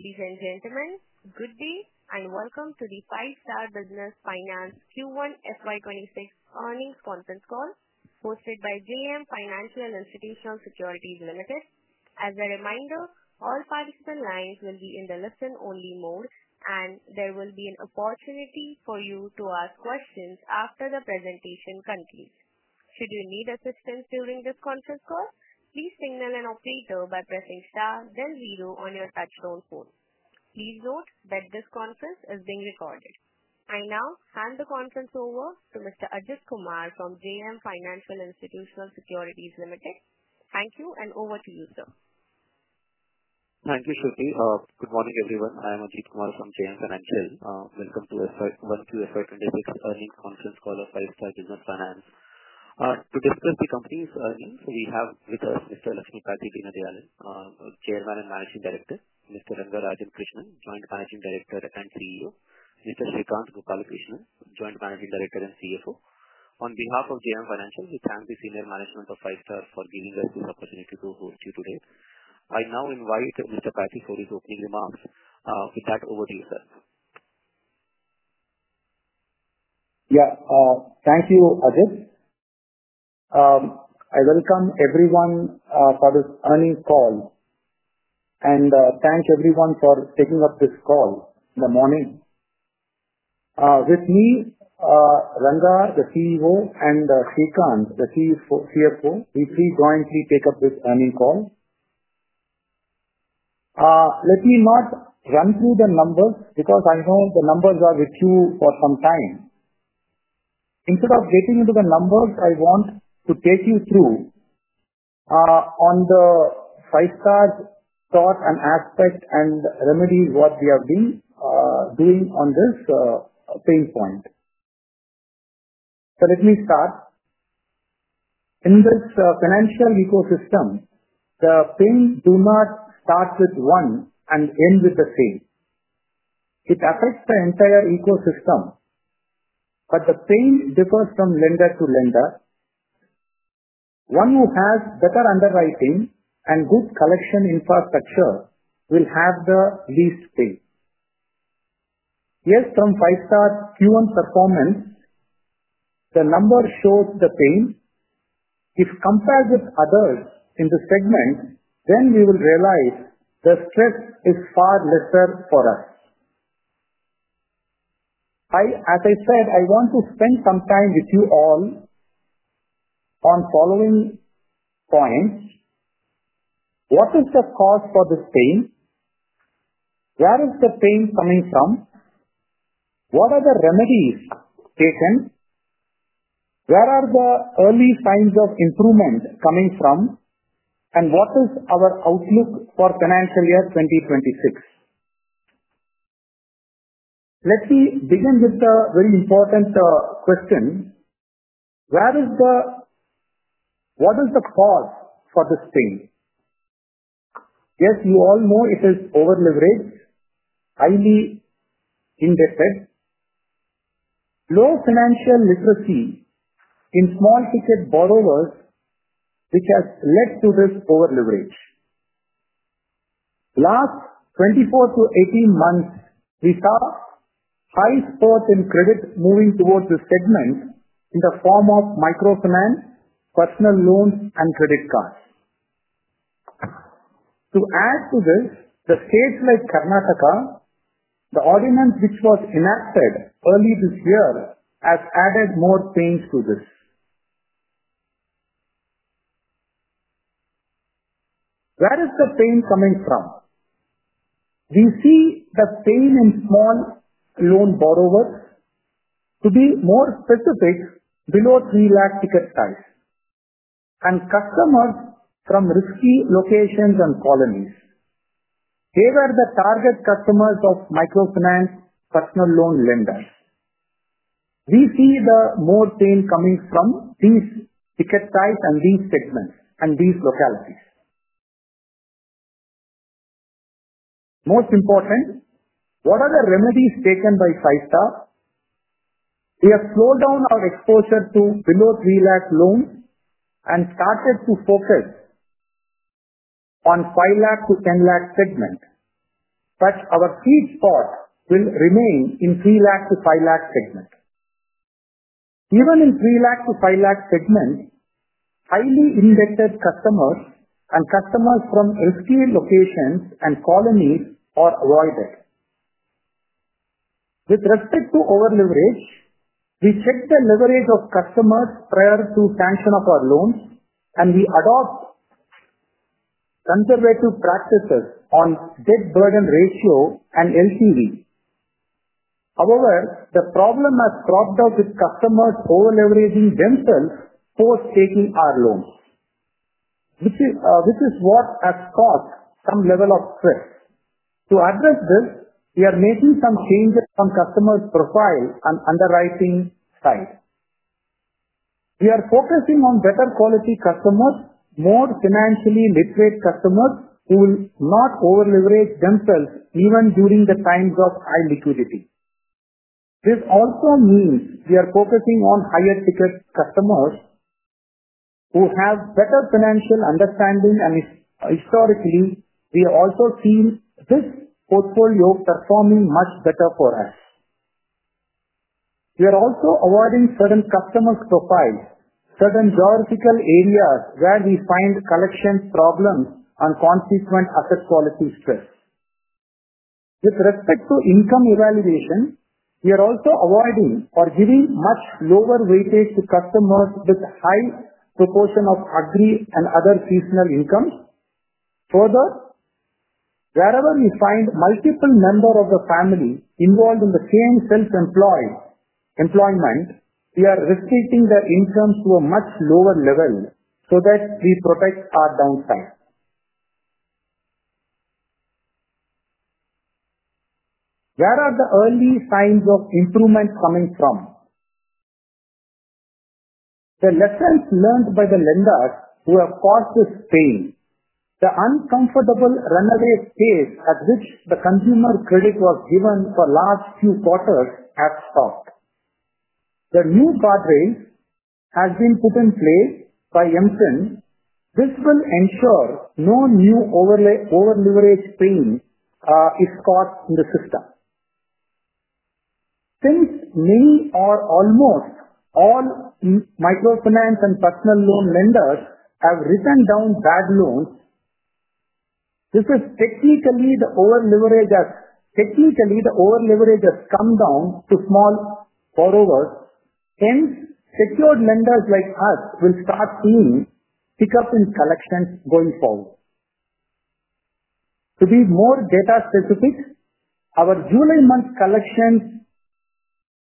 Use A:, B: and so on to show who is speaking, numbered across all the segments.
A: Ladies and gentlemen, good day and welcome to the Five-Star Business Finance Q1 FY 2026 earnings conference call hosted by JM Financial and Institutional Securities Limited. As a reminder, all participant lines will be in the listen-only mode, and there will be an opportunity for you to ask questions after the presentation concludes. Should you need assistance during this conference call, please signal an operator by pressing star then zero on your touchtone phone. Please note that this conference is being recorded. I now hand the conference over to Mr. Ajit Kumar from JM Financial and Institutional Securities Limited. Thank you and over to you, sir.i
B: Thank you, Shruti. Good morning, everyone. I am Ajit Kumar from JM Financial. Welcome to Five-Star Business Finance's earnings conference call. To discuss the company's earnings, we have with us Mr. Lakshmipathy Deenadayalan, Chairman and Managing Director; Mr. Rangarajan Krishnan, Joint Managing Director and CEO; and Mr. Srikanth Gopalakrishnan, Joint Managing Director and CFO. On behalf of JM Financial, we thank the senior management of Five-Star Business Finance Limited for giving us this opportunity to host you today. I now invite Mr. Lakshmipathy for his opening remarks. With that, over to you, sir.
C: Yeah, thank you, Ajit. I welcome everyone for this earnings call. Thank you everyone for taking up this call in the morning. With me, Ranga, the CEO, and Srikanth, the Chief CFO, which we jointly take up this earnings call. Let me not run through the numbers because I know the numbers are with you for some time. Instead of getting into the numbers, I want to take you through on the Five-Star thoughts and aspects and remedies what we have been doing on this pain point. Let me start. In this financial ecosystem, the pain does not start with one and end with the same. It affects the entire ecosystem. The pain differs from lender to lender. One who has better underwriting and good collection infrastructure will have the least pain. Yes, from Five-Star Q1 performance, the numbers show the pain. If compared with others in the segment, then we will realize the stress is far less for us. I, as I said, I want to spend some time with you all on the following points. What is the cause for this pain? Where is the pain coming from? What are the remedies taken? Where are the early signs of improvement coming from? What is our outlook for the financial year 2026? Let me begin with a very important question. What is the cause for this pain? Yes, you all know it is over-leveraged, i.e., indebted. Low financial literacy in small-ticket borrowers, which has led to this over-leverage. Last 24 to 18 months, we saw high spurs in credit moving towards the segments in the form of microcredit, personal loans, and credit cards. To add to this, the states like Karnataka, the ordinance which was enacted early this year, has added more pains to this. Where is the pain coming from? We see the pain in small loan borrowers, to be more specific, below 3 lakh ticket size, and customers from risky locations and colonies. They were the target customers of microcredits, personal loan lenders. We see the more pain coming from these ticket sizes and these segments and these localities. Most important, what are the remedies taken by Five-Star? We have slowed down our exposure to below 3 lakh and started to focus on 5 lakh to 10 lakh segments. Our key spot will remain in the 3 lakh to 5 lakh segment. Even in the 3 lakh to 5 lakh segments, highly indebted customers and customers from riskier locations and colonies are avoided. With respect to over-leverage, we check the leverage of customers prior to the sanction of our loans, and we adopt conservative practices on debt burden ratio and LTV. However, the problem has cropped up with customers over-leveraging themselves post taking our loans, which is what has caused some level of stress. To address this, we are making some changes on customer profile and underwriting side. We are focusing on better quality customers, more financially literate customers who will not over-leverage themselves even during the times of high liquidity. This also means we are focusing on higher ticket customers who have better financial understanding, and historically, we also see this portfolio performing much better for us. We are also avoiding certain customer profiles, certain geographical areas where we find collection problems and consequent asset quality stress. With respect to income evaluation, we are also avoiding or giving much lower weightage to customers with a high proportion of agri and other seasonal incomes. Further, wherever we find multiple members of the family involved in the same self-employment, we are restricting their incomes to a much lower level so that we protect our downside. Where are the early signs of improvement coming from? The lessons learned by the lenders who have caused this pain, the uncomfortable runaway space at which the consumer credit was given for the last few quarters has stopped. The new guardrails have been put in place by the MFIN. This will ensure no new over-leverage pain is caught in the system. Since many or almost all microfinance and personal loan lenders have written down bad loans, this is technically the over-leverage has come down to small borrowers. Hence, secured lenders like us will start seeing a pickup in collections going forward. To be more data-specific, our July month collections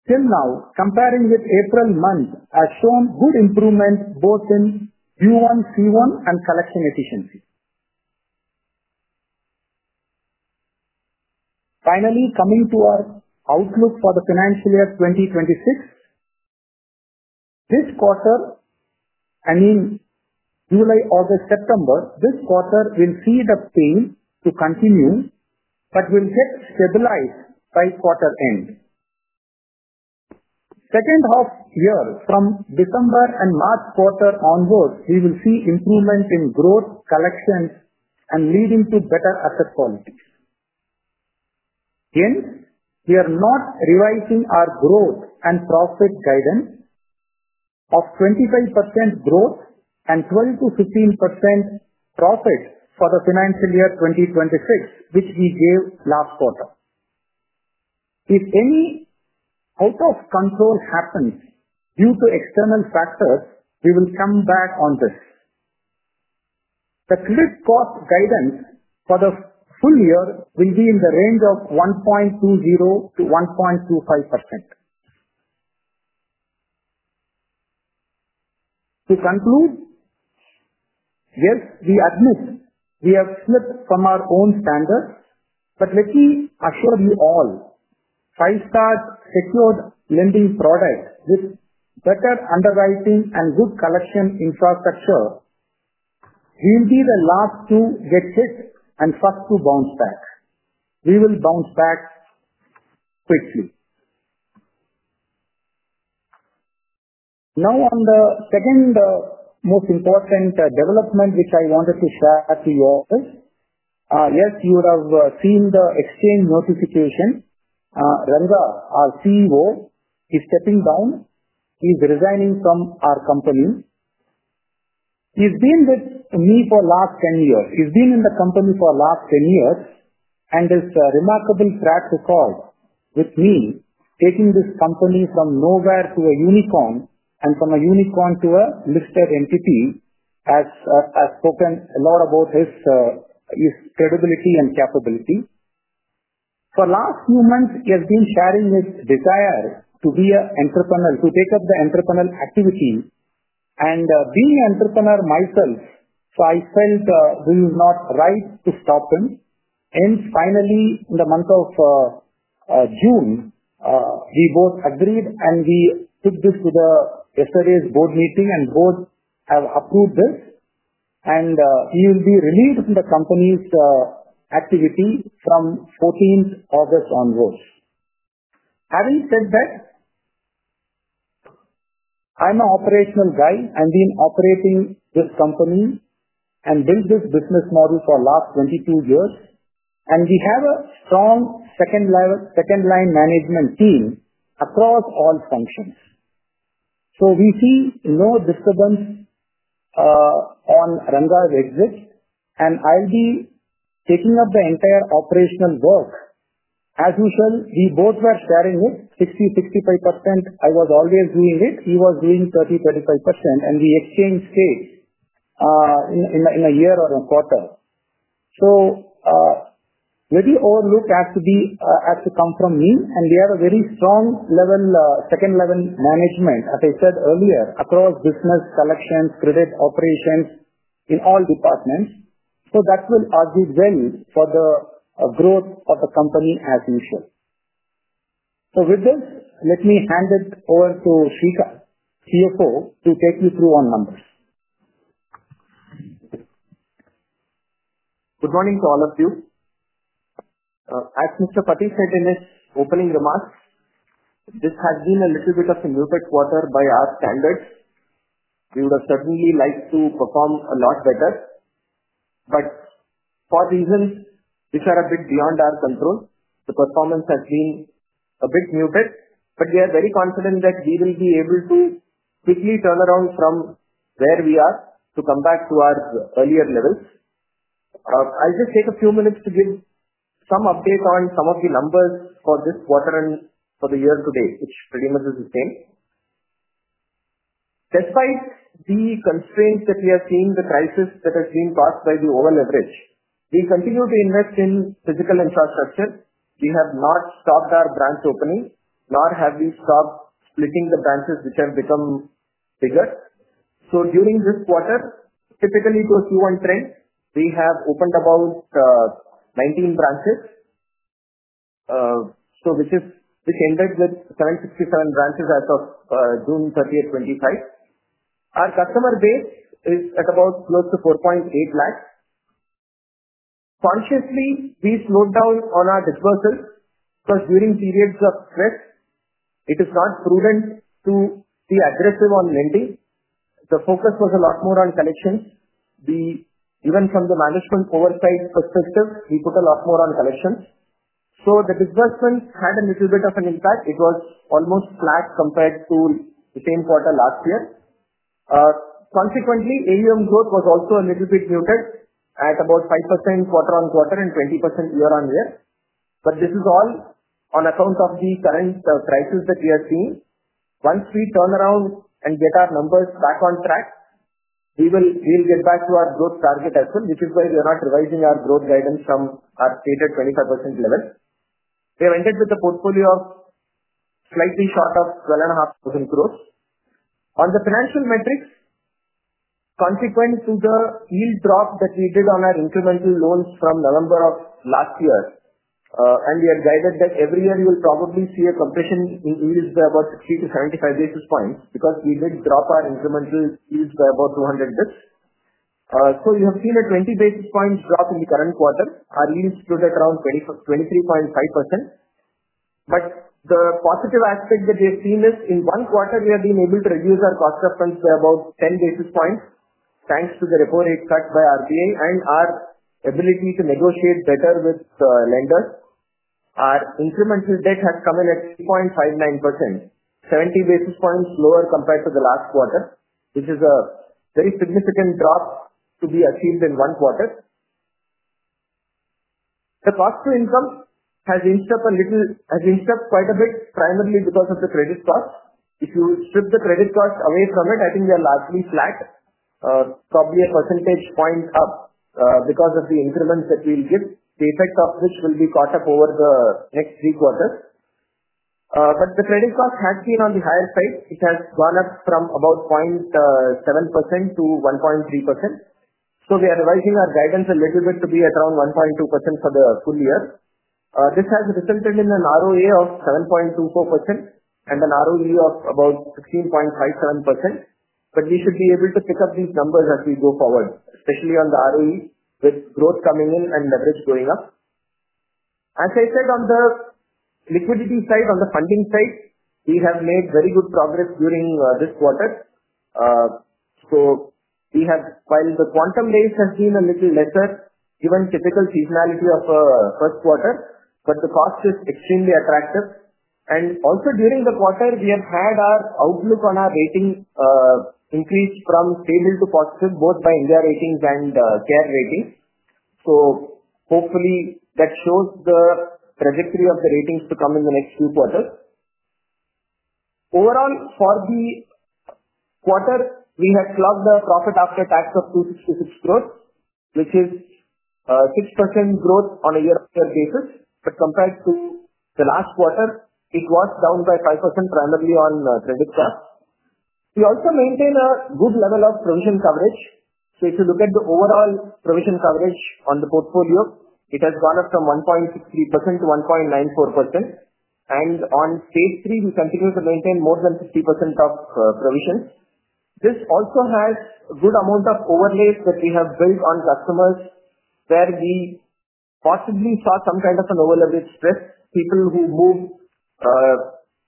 C: till now, comparing with April month, have shown good improvement both in Q1 C1 and collection efficiency. Finally, coming to our outlook for the financial year 2026, this quarter, and in July, August, September, this quarter will see the pain continue but will get stabilized by quarter end. The second half of the year, from December and March quarter onwards, we will see improvements in growth, collections, and leading to better asset quality. Again, we are not revising our growth and profit guidance of 25% growth and 12%-15% profit for the financial year 2026, which we gave last quarter. If any out of control happens due to external factors, we will come back on this. The clear spot guidance for the full year will be in the range of 1.20%-1.25%. To conclude, yes, we admit we have slipped from our own standards, but let me assure you all, Five-Star Secured Lending products with better underwriting and good collection infrastructure will be the last two hedges and first two bounce backs. We will bounce back quickly. Now, on the second most important development, which I wanted to share to you all, is yes, you have seen the exchange notification. Ranga, our CEO, is stepping down. He's resigning from our company. He's been with me for the last 10 years. He's been in the company for the last 10 years and has remarkable track record, which means taking this company from nowhere to a unicorn and from a unicorn to a listed entity has spoken a lot about his credibility and capability. For the last few months, he has been carrying his desire to be an entrepreneur, to take up the entrepreneurial activity. Being an entrepreneur myself, I felt we were not right to stop him. Finally, in the month of June, we both agreed and we took this to yesterday's board meeting and both have approved this. He will be relieved from the company's activity from 14th August onwards. Having said that, I'm an operational guy. I've been operating this company and built this business model for the last 22 years. We have a strong second-line management team across all functions. We see no disturbance on Ranga's exit. I'll be taking up the entire operational work. As you said, we both were sharing it, 60%-65%. I was always doing it. He was doing 30%-35%. We exchanged sales in a year or a quarter. Where the overlook has to come from me, we have a very strong second-level management, as I said earlier, across business collections, credit operations, in all departments. That will be ready for the growth of the company as usual. With this, let me hand it over to Srikanth, CFO, to take you through our numbers.
D: Good morning to all of you. As Mr. Pathy said in his opening remarks, this has been a little bit of a muted quarter by our standards. We would have certainly liked to perform a lot better. For reasons which are a bit beyond our control, the performance has been a bit muted. We are very confident that we will be able to quickly turn around from where we are to come back to our earlier levels. I'll just take a few minutes to give some updates on some of the numbers for this quarter and for the year to date, which pretty much is the same. Despite the constraints that we have seen, the crisis that has been caused by the over-leverage, we continue to invest in physical infrastructure. We have not stopped our branch opening, nor have we stopped splitting the branches which have become bigger. During this quarter, typically to a Q1 trend, we have opened about 19 branches, which has ended with 767 branches as of June 30th, 2025. Our customer base is at about close to 4.8 lakhs. Consciously, we slowed down on our disbursal because during periods of stress, it is not prudent to be aggressive on lending. The focus was a lot more on collections. Even from the management oversight perspective, we put a lot more on collections. The disbursal had a little bit of an impact. It was almost flat compared to the same quarter last year. Consequently, AUM growth was also a little bit muted at about 5% quarter on quarter and 20% year on year. This is all on account of the current crisis that we are seeing. Once we turn around and get our numbers back on track, we will get back to our growth target as well, which is why we are not revising our growth guidance from our stated 25% level. We have ended with a portfolio of slightly short of 12.5 crores. On the financial metrics, consequent to the yield drop that we did on our incremental loans from November of last year, and we are guided that every year you will probably see a compression in yields by about 60 to 75 basis points because we did drop our incremental yields by about 200 bps. You have seen a 20 basis point drop in the current quarter. Our yields stood at around 23.5%. The positive aspect that we have seen is in one quarter, we have been able to reduce our cost of funds by about 10 basis points, thanks to the repo rate cut by RBI and our ability to negotiate better with lenders. Our incremental debt has come in at 3.59%, 70 basis points lower compared to the last quarter, which is a very significant drop to be achieved in one quarter. The cost to income has inched up a little, has inched up quite a bit, primarily because of the credit cost. If you strip the credit cost away from it, I think they're largely flat, probably a percentage point up because of the increments that we'll give, the effect of which will be caught up over the next three quarters. The credit cost has been on the higher side. It has gone up from about 0.7%-1.3%. We are revising our guidance a little bit to be at around 1.2% for the full year. This has resulted in an ROA of 7.24% and an ROE of about 16.57%. We should be able to pick up these numbers as we go forward, especially on the ROE with growth coming in and leverage going up. As I said, on the liquidity side, on the funding side, we have made very good progress during this quarter. We have, while the quantum rates have been a little lesser given typical seasonality of the first quarter, the cost is extremely attractive. Also, during the quarter, we have had our outlook on our rating increase from stable to positive, both by India Ratings and their ratings. Hopefully, that shows the trajectory of the ratings to come in the next few quarters. Overall, for the quarter, we have clocked the profit after tax of 266 crore, which is a 6% growth on a year-to-year basis. Compared to the last quarter, it was down by 5%, primarily on credit cost. We also maintain a good level of provision coverage. If you look at the overall provision coverage on the portfolio, it has gone up from 1.63%-1.94%. On stage three, we continue to maintain more than 50% of provisions. This also has a good amount of overlays that we have built on customers where we possibly saw some kind of an over-leverage stress. People who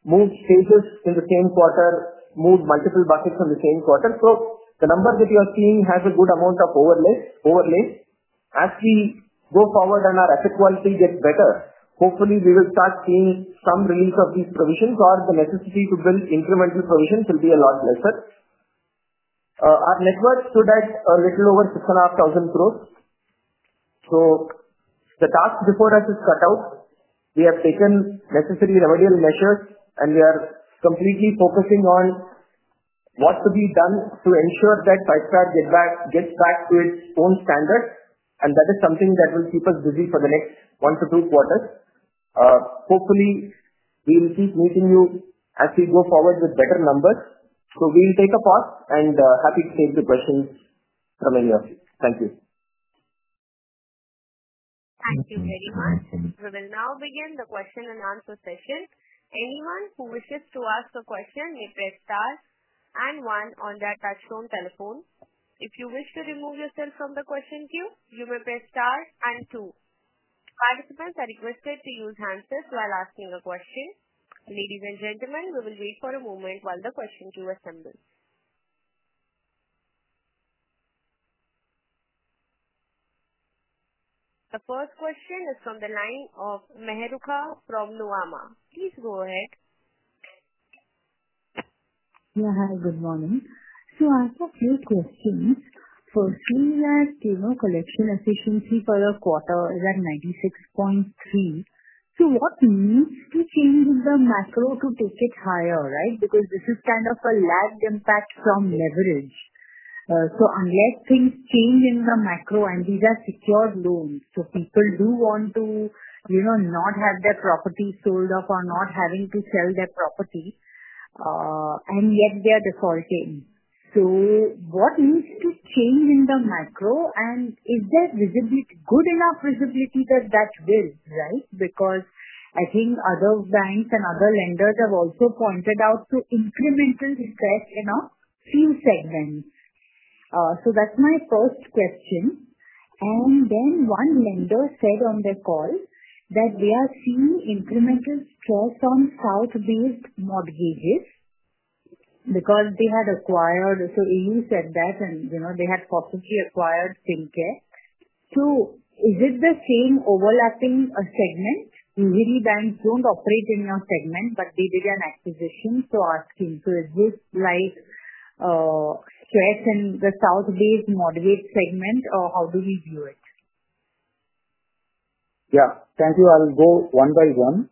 D: moved stages in the same quarter, moved multiple buckets in the same quarter. The number that you are seeing has a good amount of overlay. As we go forward and our asset quality gets better, hopefully, we will start seeing some reins of these provisions or the necessity to build incremental provisions will be a lot lesser. Our net worth stood at a little over 6,500 crore. The task before us is cut out. We have taken necessary remedial measures, and we are completely focusing on what could be done to ensure that Five-Star gets back to its own standards. That is something that will keep us busy for the next one to two quarters. Hopefully, we will keep meeting you as we go forward with better numbers. We will take a pause and happy to take the questions from any of you. Thank you.
A: Thank you very much. We will now begin the question-and-answer session. Anyone who wishes to ask a question may press star and one on their touchstone telephone. If you wish to remove yourself from the question queue, you may press star and two. Participants are requested to use handsets while asking a question. Ladies and gentlemen, we will wait for a moment while the question queue assembles. The first question is from the line of Mahrukh from Nuvama. Please go ahead.
E: Yeah, hi. Good morning. I have a few questions. For CLAC, Cable collection efficiency for the quarter is at 96.3%. What needs to change in the macro to take it higher, right? This is kind of a lagged impact from leverage. Unless things change in the macro, and these are secured loans, people do want to, you know, not have their property sold off or not having to sell their property, and yet they are defaulting. What needs to change in the macro? Is there good enough visibility that that's built, right? I think other banks and other lenders have also pointed out to incremental stress in our field segment. That's my first question. One lender said on their call that they are seeing incremental stress on south-based mortgages because they had acquired, so AU said that, and you know they had copiously acquired SimCare. Is it the same overlapping segment? Usually, banks don't operate in your segment, but they did an acquisition. Asking, is this like stress in the south-based mortgage segment, or how do we view it?
C: Yeah. Thank you. I'll go one by one.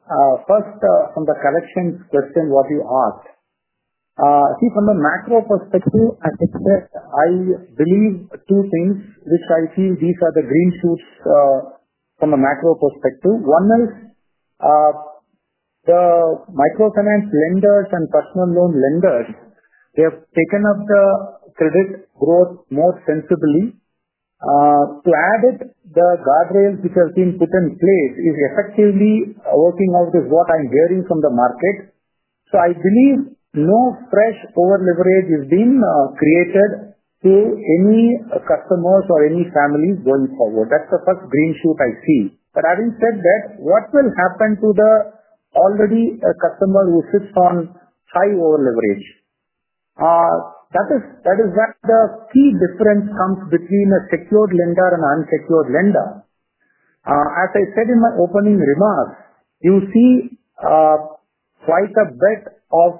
C: First, from the collections question, what do you ask? See, from a macro perspective, I believe two things which I feel these are the green shoots from a macro perspective. One is the microfinance lenders and personal loan lenders, they have taken up the credit growth more sensibly. To add it, the guardrails which have been put in place are effectively working out with what I'm hearing from the market. I believe no fresh over-leverage has been created to any customers or any families going forward. That's the first green shoot I see. What will happen to the already customer who sits on high over-leverage? That is where the key difference comes between a secured lender and an unsecured lender. As I said in my opening remarks, you see quite a bit of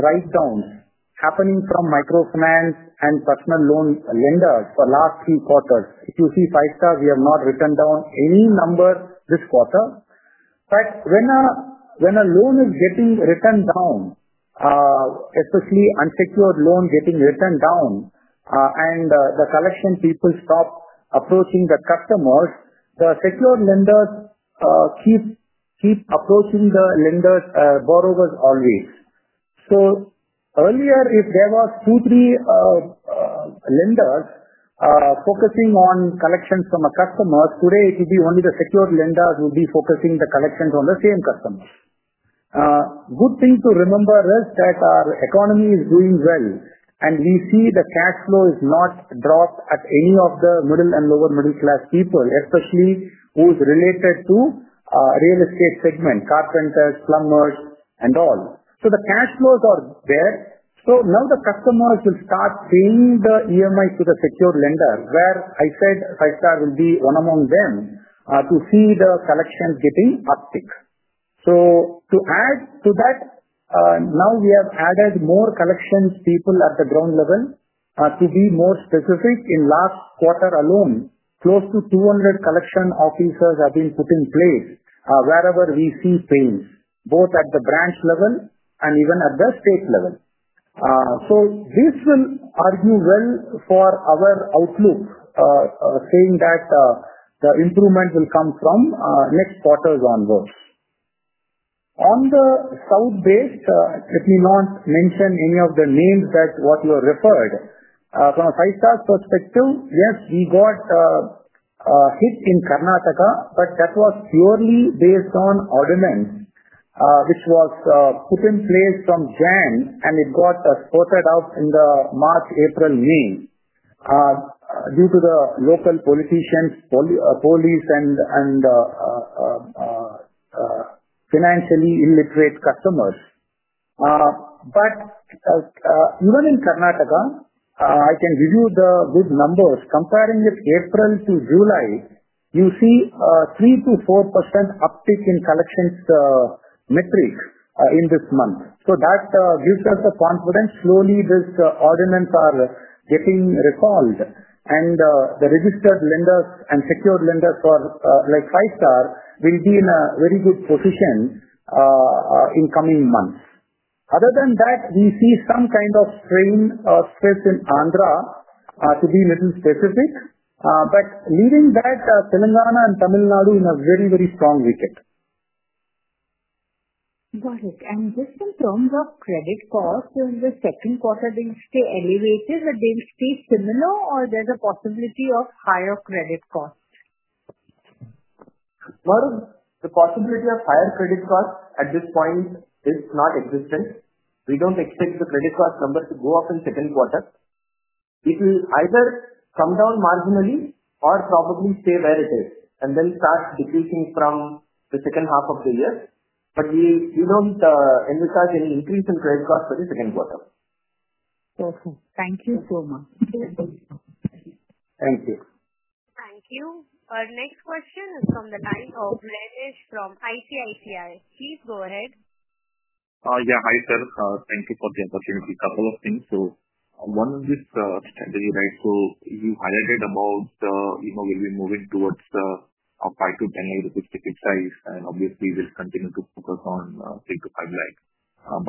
C: write-downs happening from microfinance and personal loan lenders for the last three quarters. If you see Five-Star Business Finance Limited, we have not written down any number this quarter. When a loan is getting written down, especially unsecured loans getting written down, and the collection people stop approaching the customers, the secured lenders keep approaching the borrowers always. Earlier, if there were two, three lenders focusing on collections from a customer, today it would be only the secured lenders who would be focusing on the collections from the same customers. A good thing to remember is that our economy is doing well, and we see the cash flow has not dropped at any of the middle and lower middle-class people, especially those related to the real estate segment, carpenters, plumbers, and all. The cash flows are there. Now the customers will start paying the EMIs to the secured lender, where I said Five-Star Business Finance Limited will be one among them to see the collections getting uptick. To add to that, now we have added more collections people at the ground level. To be more specific, in the last quarter alone, close to 200 collection officers have been put in place wherever we see things, both at the branch level and even at the state level. This will argue well for our outlook, saying that the improvement will come from next quarters onward. On the south-based, let me not mention any of the names that were referred. From Five-Star's perspective, yes, we got a hit in Karnataka, but that was purely based on ordinance, which was put in place from January, and it got spotted out in the March, April, May due to the local politicians, police, and financially illiterate customers. Even in Karnataka, I can give you the good numbers. Comparing with April to July, you see a 3%-4% uptick in collections metrics in this month. That gives us the confidence. Slowly, these ordinances are getting recalled. The registered lenders and secured lenders like Five-Star will be in a very good position in the coming months. Other than that, we see some kind of strain or stress in Andhra Pradesh, to be a little specific, but leaving that, Telangana and Tamil Nadu in a very, very strong weekend.
E: Got it. Just in terms of credit cost, during the second quarter, they're still elevated, but they will stay similar, or there's a possibility of higher credit cost?
D: The possibility of higher credit cost at this point is nonexistent. We don't expect the credit cost numbers to go up in the second quarter. It will either come down marginally or probably stay where it is, and then start decreasing from the second half of the year. We don't envisage any increase in credit cost for the second quarter.
E: Okay. Thank you, So much.
C: Thank you.
A: Thank you. Next question is from the line of Renish from ICICI. Please go ahead.
F: Yeah. Hi, sir. Thank you for the opportunity. A couple of things. One of these strategies, right, you highlighted about, you know, we'll be moving towards the 5 lakh to 10 lakh rupees ticket size, and obviously, we'll continue to focus on 3 lakh to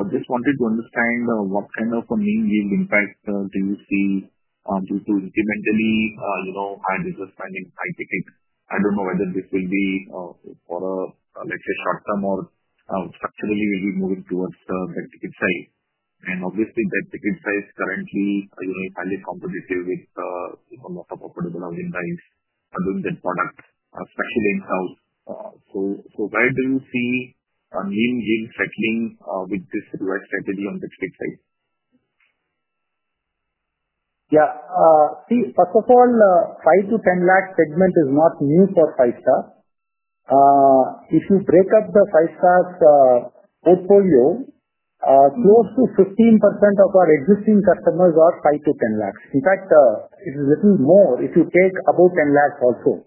F: 5 lakh. Just wanted to understand what kind of a mean yield impact do you see on people incrementally, you know, high resistance in high tickets? I don't know whether this will be for a, let's say, short term or actually we'll be moving towards the high ticket size. That ticket size currently, you know, is highly competitive with a lot of operable agent buyers and will get products, especially in-house. Where do you see a mean yield settling with this growth strategy on the ticket size?
C: Yeah. See, first of all, the 5 lakh to 10 lakh segment is not new for Five-Star Business Finance Limited. If you break up Five-Star Business Finance Limited's portfolio, close to 15% of our existing customers are INR 5 lakh to 10 lakh. In fact, it's a little more if you take about 10 lakh also.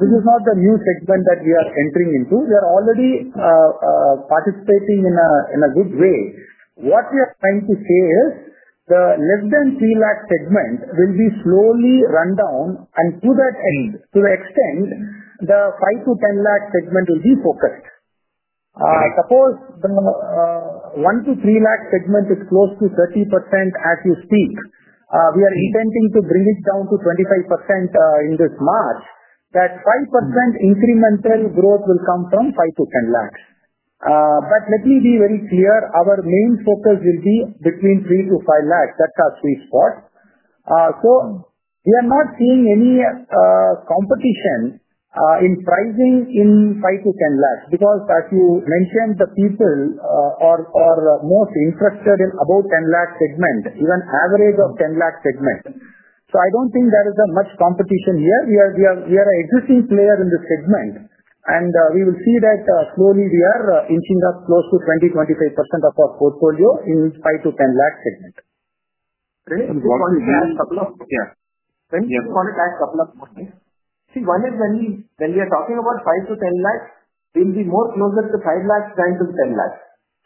C: This is not the new segment that we are entering into. We are already participating in a good way. What we are trying to say is the less than 3 lakh segment will be slowly run down. To that end, to the extent the 5 lakh to 1 lakh segment will be focused. Suppose the 1 lakh to 3 lakh segment is close to 30% as you see. We are intending to bring it down to 25% in this March. That 5% incremental growth will come from 5 lakh to 10 lakh. Let me be very clear, our main focus will be between 3 lakh to 5 lakh. That's our sweet spot. We are not seeing any competition in pricing in 5 lakh to 10 lakh because, as you mentioned, the people are most interested in about 10 lakh segment, even average of 10 lakh segment. I don't think there is much competition here. We are an existing player in this segment. We will see that slowly we are inching up close to 20%-25% of our portfolio in this 5 lakh to 10 lakh segment.
D: Okay. I'm going to ask a couple of, yeah.
F: Go ahead.
D: I'm going to ask a couple of questions. One is when we are talking about 5 lakh to 10 lakh, we'll be more closer to 5 lakh than to 10 lakh.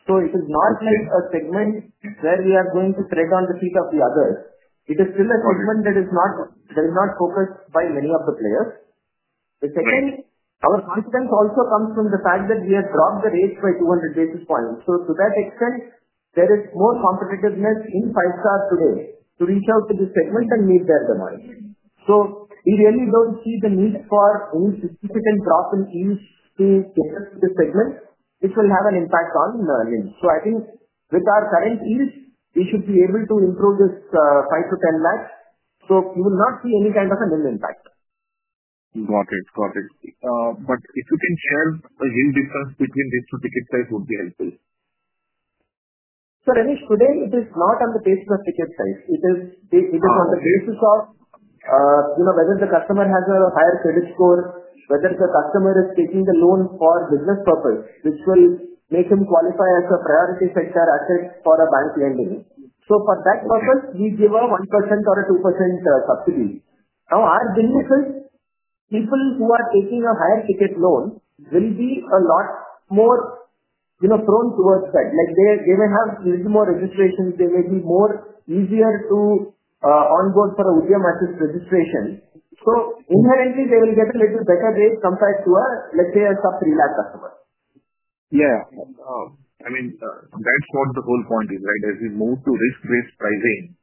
D: It is not like a segment where we are going to tread on the feet of the others. It is still a segment that is not, we're not focused by many of the players. Our confidence also comes from the fact that we have dropped the rates by 200 bps. To that extent, there is more competitiveness in Five-Star Business Finance Limited today to reach out to this segment and meet their demand. We really don't see the need for any significant drop in yield to the segment, which will have an impact on the learning. I think with our current yield, we should be able to improve this 5 lakh to 10 lakh. You will not see any kind of a learning impact.
F: Got it. Got it. If you can share a yield difference between these two ticket sizes, it would be helpful.
D: Today it is not on the basis of ticket size. It is on the basis of whether the customer has a higher credit score, whether the customer is taking a loan for business purpose, which will make him qualify as a priority sector asset for a bank lending. For that purpose, we give a 1% or a 2% subsidy. Our good news is people who are taking a higher ticket loan will be a lot more prone towards that. They will have even more registrations. They will be more easier to onboard for a UTM access registration. Inherently, they will get a little better rate compared to a, let's say, a sub-INR 3 lakh customer.
F: Yeah. That's what the whole point is, right? As we move to risk-based pricing,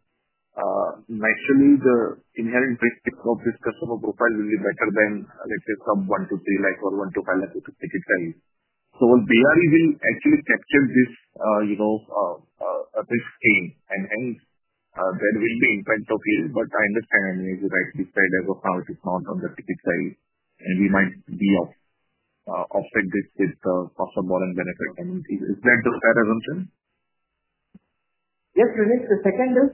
F: naturally, the inherent risk of this customer profile will be better than, let's say, from 1 lakh to 3 lakh or 1 lakh to 5 lakh ticket size. We are able to actually capture this at this stage, and hence there will be an impact of yield. I understand, as you rightly said, as of now, it is not on the ticket size. We might offset this with the cost of borrowing benefit. I mean, is that the fair assumption?
D: Yes, Renish. The second is,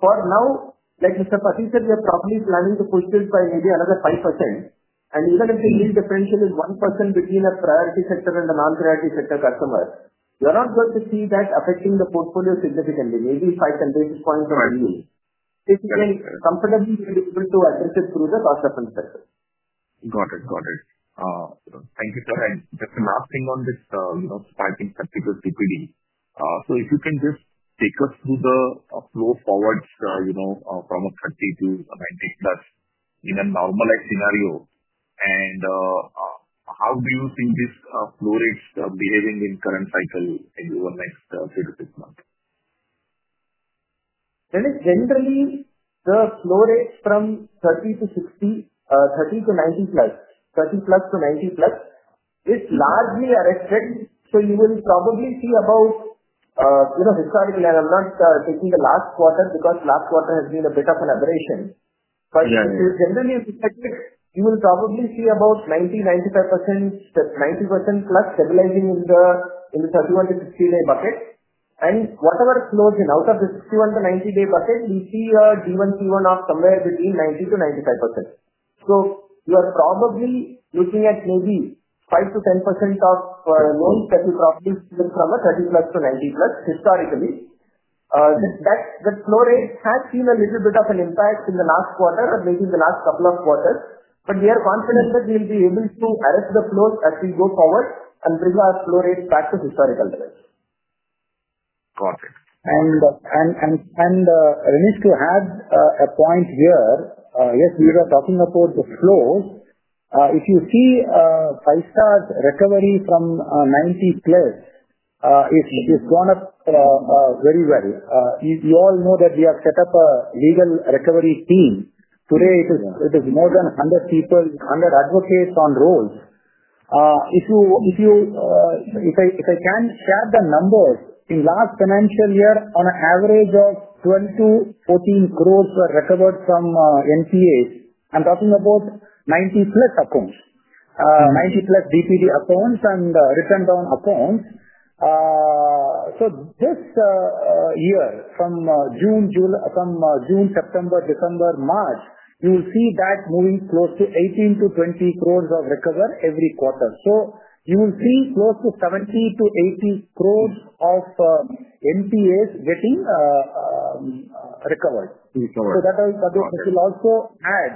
D: for now, like Mr. Pathy said, we are probably planning to push this by maybe another 5%. Even if the yield differential is 1% between a priority sector and a non-priority sector customer, you're not going to see that affecting the portfolio significantly, maybe 5-10 basis points or any. This is comfortably able to adjust it through the cost of interest.
F: Got it. Thank you, sir. Just a last thing on this, you know, starting consider CPD. If you can just take us through the flow forward, you know, from a 30-90+ in a normal scenario, and how do you think this flow rate is behaving in the current cycle in the next three to six months?
D: Generally, the flow rate from 30 to 60, 30-90+, 30+ to 90+ is largely erected. You will probably see about, you know, this is why I'm not taking the last quarter because last quarter has been a bit of an aberration. Generally, you will probably see about 90, 95%, that's 90%+ stabilizing in the 31 to 60-day buckets. Whatever flows in out of the 390-day bucket, we see a D1Q1 of somewhere between 90%-95%. You're probably looking at maybe 5%-10% of loans that will probably spin from a 30+ to 90+ historically. That flow rate has seen a little bit of an impact in the last quarter or maybe in the last couple of quarters. We are confident that we'll be able to erect the flow as we go forward and bring our flow rate back to historical levels.
F: Got it.
C: Renish, to add a point here, yes, we were talking about the flow. If you see Five-Star's recovery from 90 plus, it has gone up very well. You all know that we have set up a legal recovery team. Today, it is more than 100 people, 100 advocates on rolls. If I can share the numbers, in the last financial year, on an average, 12 crore to 14 crore were recovered from NPAs. I'm talking about 90+ accounts, 90+ DPG accounts, and the written down accounts. This year, from June, September, December, March, you will see that moving close to 18 crore to 20 crore of recovery every quarter. You will see close to 70 crore to 80 crore of NPAs getting recovered. That will also add,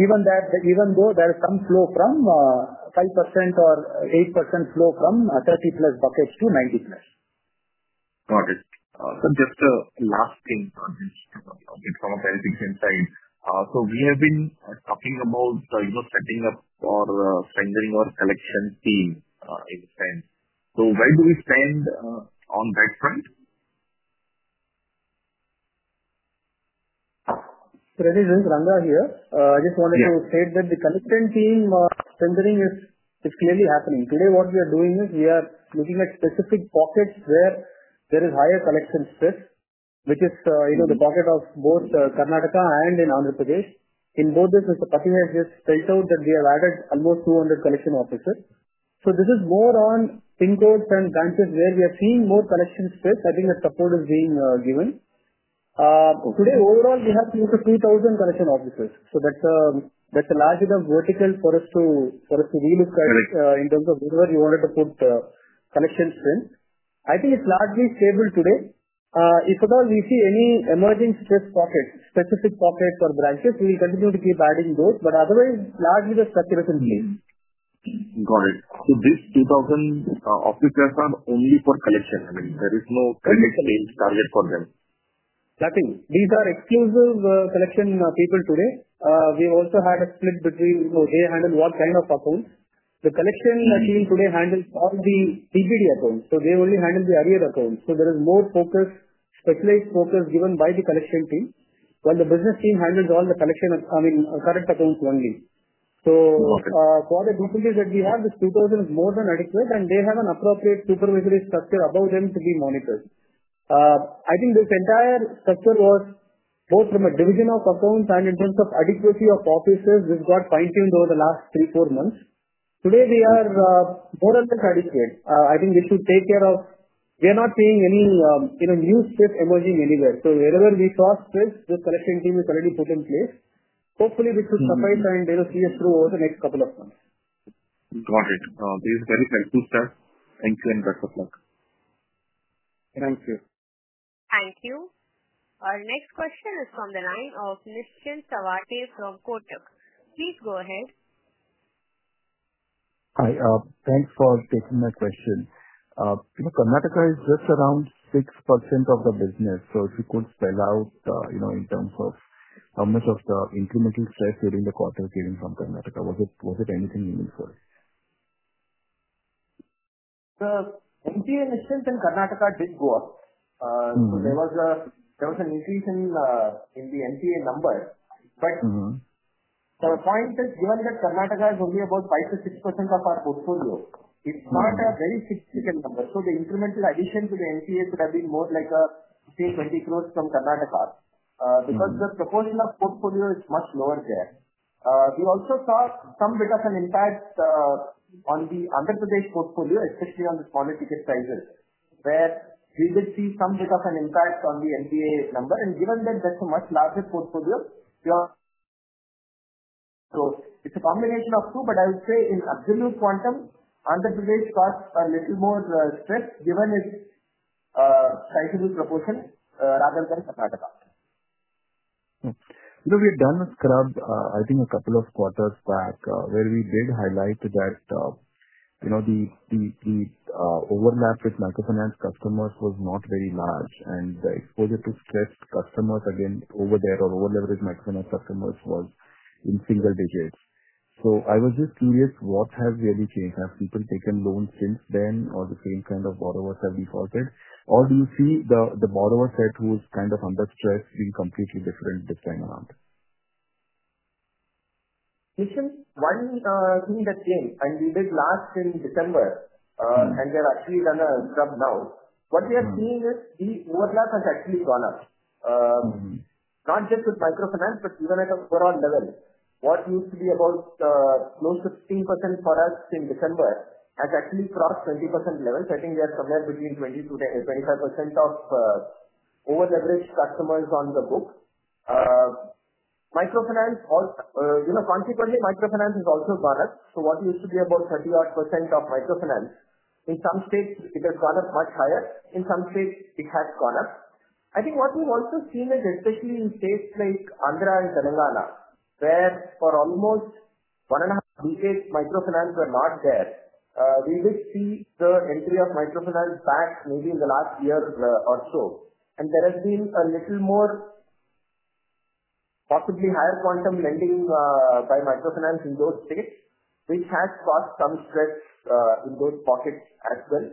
C: even though there is some flow from 5% or 8% flow from 30+ buckets to 90+.
F: Got it. Just a last thing on this from a very big insight. We have been talking about setting up or expanding our collections team in the spend. Where do we spend on that front?
G: Pretty good, Ranga here. I just wanted to state that the collection team spending is clearly happening. Today, what we are doing is we are looking at specific pockets where there is higher collection stress, which is, you know, the pocket of both Karnataka and in Andhra Pradesh. In both these, Mr. Patty has just spelled out that we have added almost 200 collection officers. This is more on pin codes and branches where we are seeing more collection stress. I think the support is being given. Today, overall, we have seen 50,000 collection officers. That's a large enough vertical for us to relook at in terms of where you wanted to put the collection strength. I think it's largely stable today. If at all we see any emerging stress pockets, specific pockets or branches, we will continue to keep adding those. Otherwise, largely, the structure is in place.
F: Got it. These 2,000 officers are only for collection. I mean, there is no sales target for them.
G: Nothing. These are exclusive collection people today. We also had a split between they handle one kind of accounts. The collection team today handles all the PPG accounts. They only handle the area of accounts. There is more focus, specialized focus given by the collection team when the business team handles all the collection, I mean, current accounts only. For the group that we have, this 2,000 is more than adequate, and they have an appropriate supervisory structure above them to be monitored. I think this entire structure was both from a division of accounts and in terms of adequacy of officers, which got fine-tuned over the last three or four months. Today, we are more or less adequate. I think we should take care of we are not seeing any new stress emerging anywhere. Wherever we saw stress, the collection team is already put in place. Hopefully, this will suffice and see it through over the next couple of months.
F: Got it. This is very helpful, sir. Thank you and best of luck.
C: Thank you.
A: Thank you. Our next question is from the line of Mr. Nischint Chawathe from Kotak. Please go ahead.
H: Hi. Thanks for taking that question. Karnataka is just around 6% of the business. If you could spell out, in terms of how much of the incremental stress during the quarter came in from Karnataka, was it anything meaningful?
D: The NPA in Karnataka did go up. There was an increase in the NPA number. The point is, given that Karnataka is only about 5%-6% of our portfolio, it's not a very significant number. The incremental addition to the NPA could have been more like INR 15 crore to 20 crore from Karnataka because the portfolio is much lower there. We also saw some bit of an impact on the Andhra Pradesh portfolio, especially on the smaller ticket sizes, where we did see some bit of an impact on the NPA number. Given that that's a much larger portfolio, it's a combination of two. I would say in absolute quantum, Andhra Pradesh caused a little more stress given its sizable proportion rather than Karnataka.
H: We had done a scrub a couple of quarters back where we did highlight that the overlap with microfinance customers was not very large. The exposure to stressed customers, again, over their over-leveraged microfinance customers, was in single digits. I was just curious, what has really changed? Have people taken loans since then, or have the same kind of borrowers defaulted? Do you see the borrower set who's kind of under stress in a completely different design around?
D: You see, one thing that came, and we did last in December, and we have actually done a scrub now. What we are seeing is the overlap has actually gone up, not just with microfinance, but even at an overall level. What used to be about close to 15% for us in December has actually crossed 20% levels. I think we are somewhere between 20%-25% of over-leveraged customers on the book. Microfinance, you know, consequently, microfinance has also gone up. What used to be about 30% of microfinance, in some states, it has gone up much higher. In some states, it has gone up. I think what we've also seen is, especially in states like Andhra Pradesh and Telangana, where for almost one and a half decades, microfinance were marked there, we did see the entry of microfinance back maybe in the last year or so. There has been a little more, possibly higher quantum lending by microfinance in those states, which has caused some stress in those pockets as well.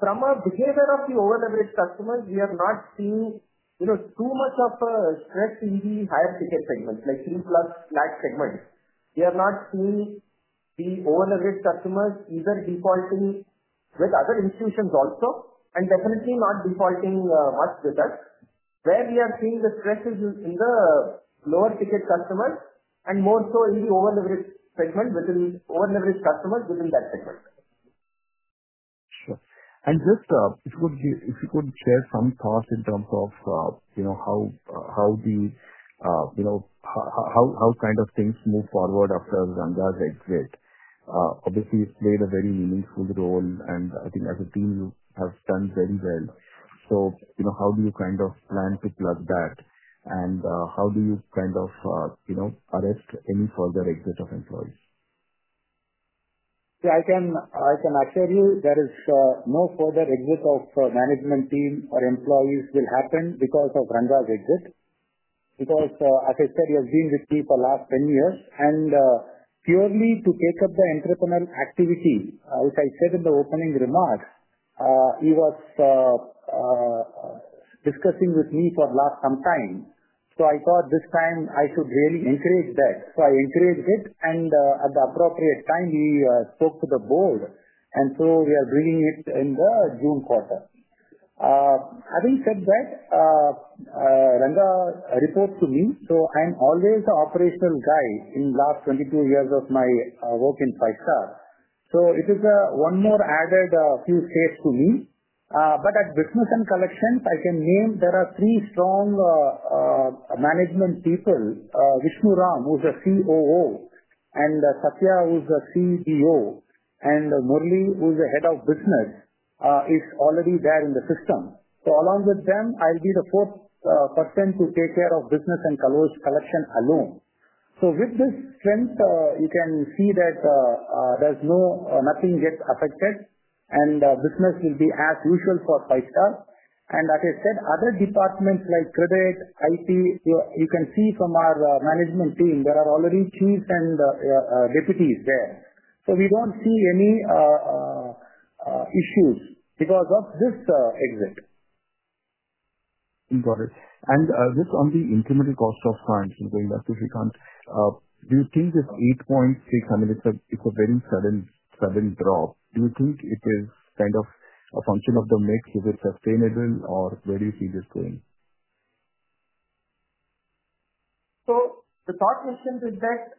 D: From our behavior of the over-leveraged customers, we are not seeing too much of a stress in the higher ticket segments, like 3+ lakh segments. We are not seeing the over-leveraged customers either defaulting with other institutions also and definitely not defaulting much with us. Where we are seeing the stress is in the lower ticket customers and more so in the over-leveraged segment within over-leveraged customers within that segment.
H: Sure. If you could share some thoughts in terms of how do you, you know, how kind of things move forward after Ranga's exit? Obviously, he's played a very meaningful role. I think as a team, you have done very well. How do you kind of plan to plug that? How do you kind of arrest any further exit of employees?
C: I can assure you there is no further exit of management team or employees will happen because of Ranga's exit. As I said, he has been with me for the last 10 years and purely to take up the entrepreneurial activity, as I said in the opening remarks, he was discussing with me for the last some time. I thought this time I should really encourage that. I encouraged it, and at the appropriate time, he spoke to the board. We are bringing it in the June quarter. Having said that, Ranga reported to me. I'm always the operational guy in the last 22 years of my work in Five-Star. It is one more added few stakes to me. At Business and Collections, I can name there are three strong management people: Vishnu Ram, who's a COO, Satya, who's a CEO, and Murli, who's the Head of Business, is already there in the system. Along with them, I'll be the fourth person to take care of Business and Collections alone. With this strength, you can see that there's nothing yet affected. Business will be as usual for Five-Star. Like I said, other departments like Credit, IT, you can see from our management team, there are already chiefs and deputies there. We don't see any issues because of this exit.
H: Got it. Just on the incremental cost of funds, going back to Srikanth, do you think with 8.6%, I mean, it's a very sudden drop. Do you think it is kind of a function of the mix? Is it sustainable, or where do you see this going?
D: The thought was simply that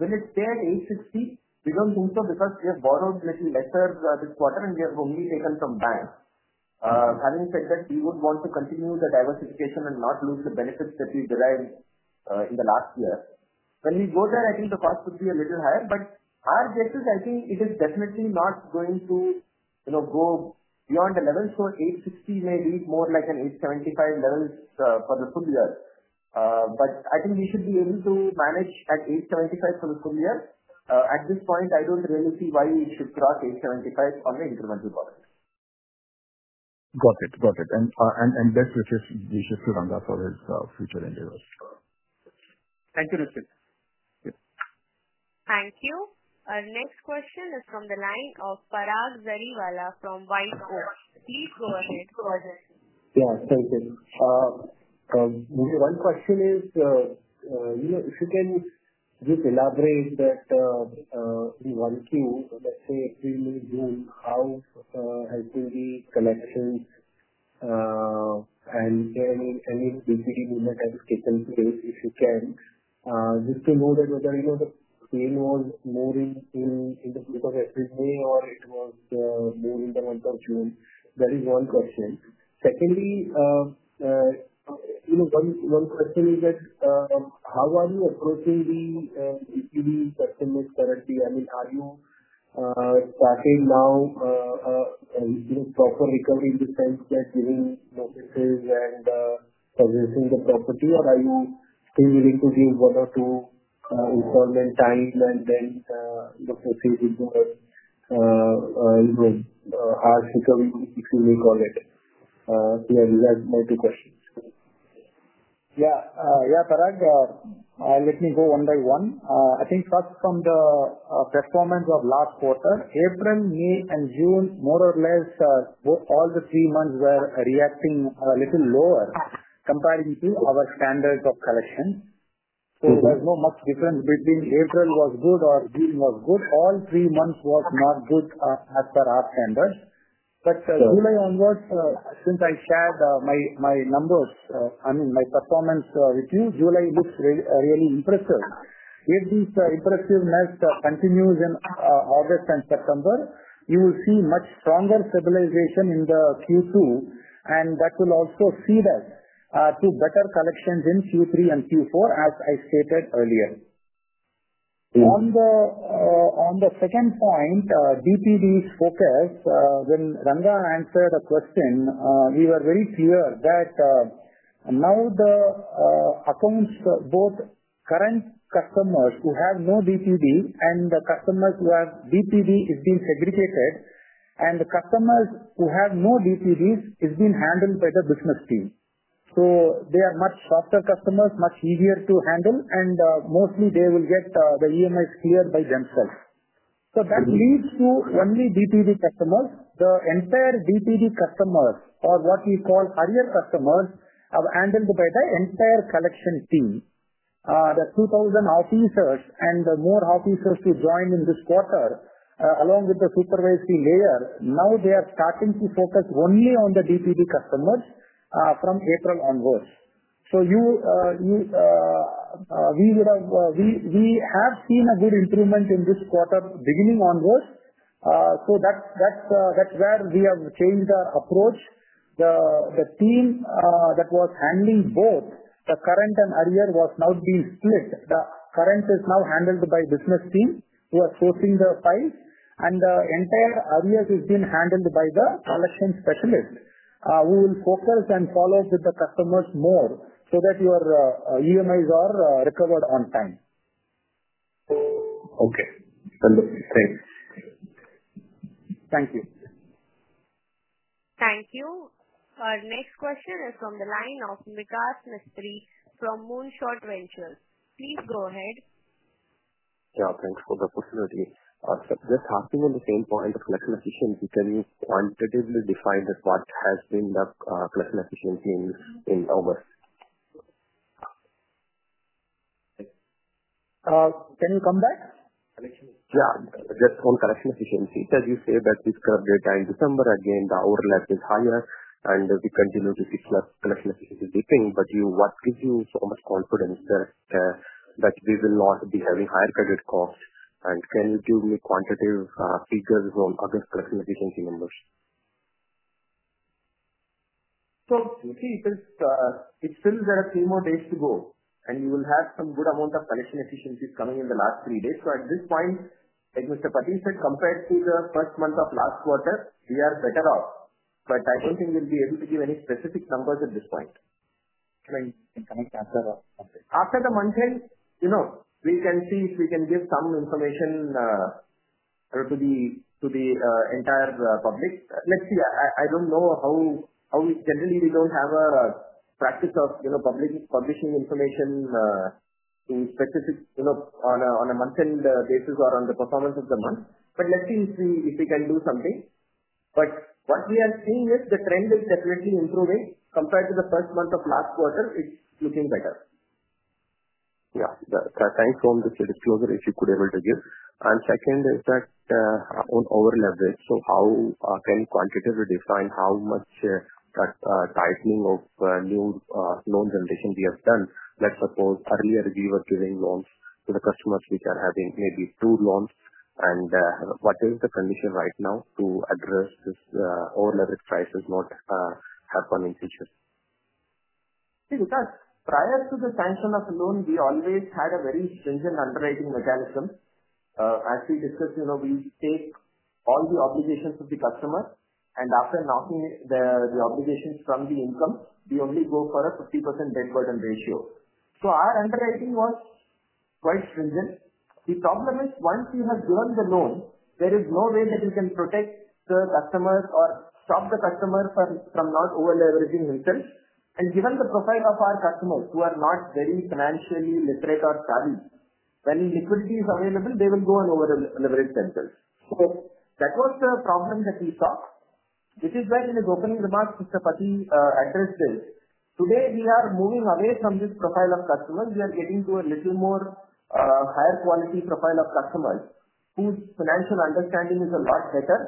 D: when it's there at 8.60%, we don't do so because we have borrowed less than a quarter, and we have only taken from banks. Having said that, we would want to continue the diversification and not lose the benefits that we derived in the last year. When we go there, I think the cost would be a little higher. Our guess is I think it is definitely not going to go beyond the levels. 8.60% may be more like an 8.75% level for the full year. I think we should be able to manage at 8.75% for the full year. At this point, I don't really see why we should drop 8.75% on the incremental bottom.
H: Got it. And best wishes to Ranga for his future endeavors.
D: Thank you, Renish.
A: Thank you. Our next question is from the line of Parag Jariwala from White Oak. Please go ahead.
I: Yes, thank you. One question is, if you can just elaborate that the volcano that happened in June, how has the collections and any big movement that has taken place, if you can, just to know that whether you know the pain was more in the beginning of the month of May or it was more in the month of June, that is one question. Secondly, you know, one question is that how are you approaching the GPV estimates currently? I mean, are you starting now a proper recovery in the sense that you're doing notices and purchasing the property, or are you still willing to use one or two installment times and then ask the community to move on it? Those are my two questions.
C: Yeah. Yeah, Parag, let me go one by one. I think first from the performance of last quarter, April, May, and June, more or less all the three months were reacting a little lower comparing to our standards of collections. There's no much difference between April was good or June was good. All three months were not good as per our standards. From July onwards, since I started my numbers, I mean, my performance retreat, July looks really impressive. If this impressiveness continues in August and September, you will see much stronger stabilization in Q2. That will also feed us to better collections in Q3 and Q4, as I stated earlier. On the second point, DPV's focus, when Ranga answered the question, we were very clear that now the accounts, both current customers who have no DPV and the customers who have DPV, is being segregated. The customers who have no DPVs is being handled by the business team. They are much softer customers, much easier to handle. Mostly, they will get the EMIs tier by themselves. That leads to only DPV customers. The entire DPV customers, or what we call carrier customers, are handled by the entire collection team. The 2,000 officers and the more officers who joined in this quarter, along with the supervisory layer, now they are starting to focus only on the DPV customers from April onwards. We have seen a good improvement in this quarter beginning onwards. That's where we have changed our approach. The team that was handling both the current and arrears was now being split. The current is now handled by the business team who are posting the files. The entire arrears is being handled by the collection specialist who will focus and follow up with the customers more so that your EMIs are recovered on time.
I: Okay. Thanks.
C: Thank you.
A: Thank you. Our next question is from the line of Vikas Mistry from Moonshot Ventures. Please go ahead.
J: Yeah, thanks for the opportunity. Just asking on the same point of collection efficiency, can you quantitatively define what has been the collection efficiency in ours?
C: Can you come back?
J: Yeah, just on collection efficiency. As you say, this curve data in December, again, the overlap is higher. We continue to see collection efficiency dipping. What gives you so much confidence that we will not be having higher credit costs? Can you give me quantitative figures on other collection efficiency numbers?
D: There are three more days to go, and we will have some good amount of collection efficiency coming in the last three days. At this point, as Mr. Patty said, compared to the first month of last quarter, we are better off. I don't think we'll be able to give any specific numbers at this point.
J: Like we can connect after month end.
D: After the month ends, we can see if we can give some information to the entire public. Let's see. I don't know how we generally, we don't have a practice of publishing information in specific, on a month-end basis or on the performance of the month. Let's see if we can do something. What we are seeing is the trend is definitely improving. Compared to the first month of last quarter, it's looking better.
J: Thanks for the closer issue you could be able to give. Second is that on over-leverage. How can quantitatively define how much tightening of new loan generation we have done? Let's suppose earlier we were giving loans to the customers. We are having maybe two loans. What is the condition right now to address this over-leverage crisis not happening in the future?
D: Prior to the sanction of a loan, we always had a very stringent underwriting mechanism. As we discussed, you know, we take on the obligations of the customer, and after knocking the obligations from the income, we only go for a 50% bank burden ratio. Our underwriting was quite stringent. The problem is, once you have given the loan, there is no way that you can protect the customers or stop the customers from not over-leveraging themselves. Given the profile of our customers who are not very financially literate or savvy, when liquidity is available, they will go and over-leverage themselves. That was a problem that we saw. This is where in his opening remarks, Mr. Lakshmipathy Deenadayalan addressed this. Today, we are moving away from this profile of customers. We are getting to a little more higher quality profile of customers whose financial understanding is a lot better,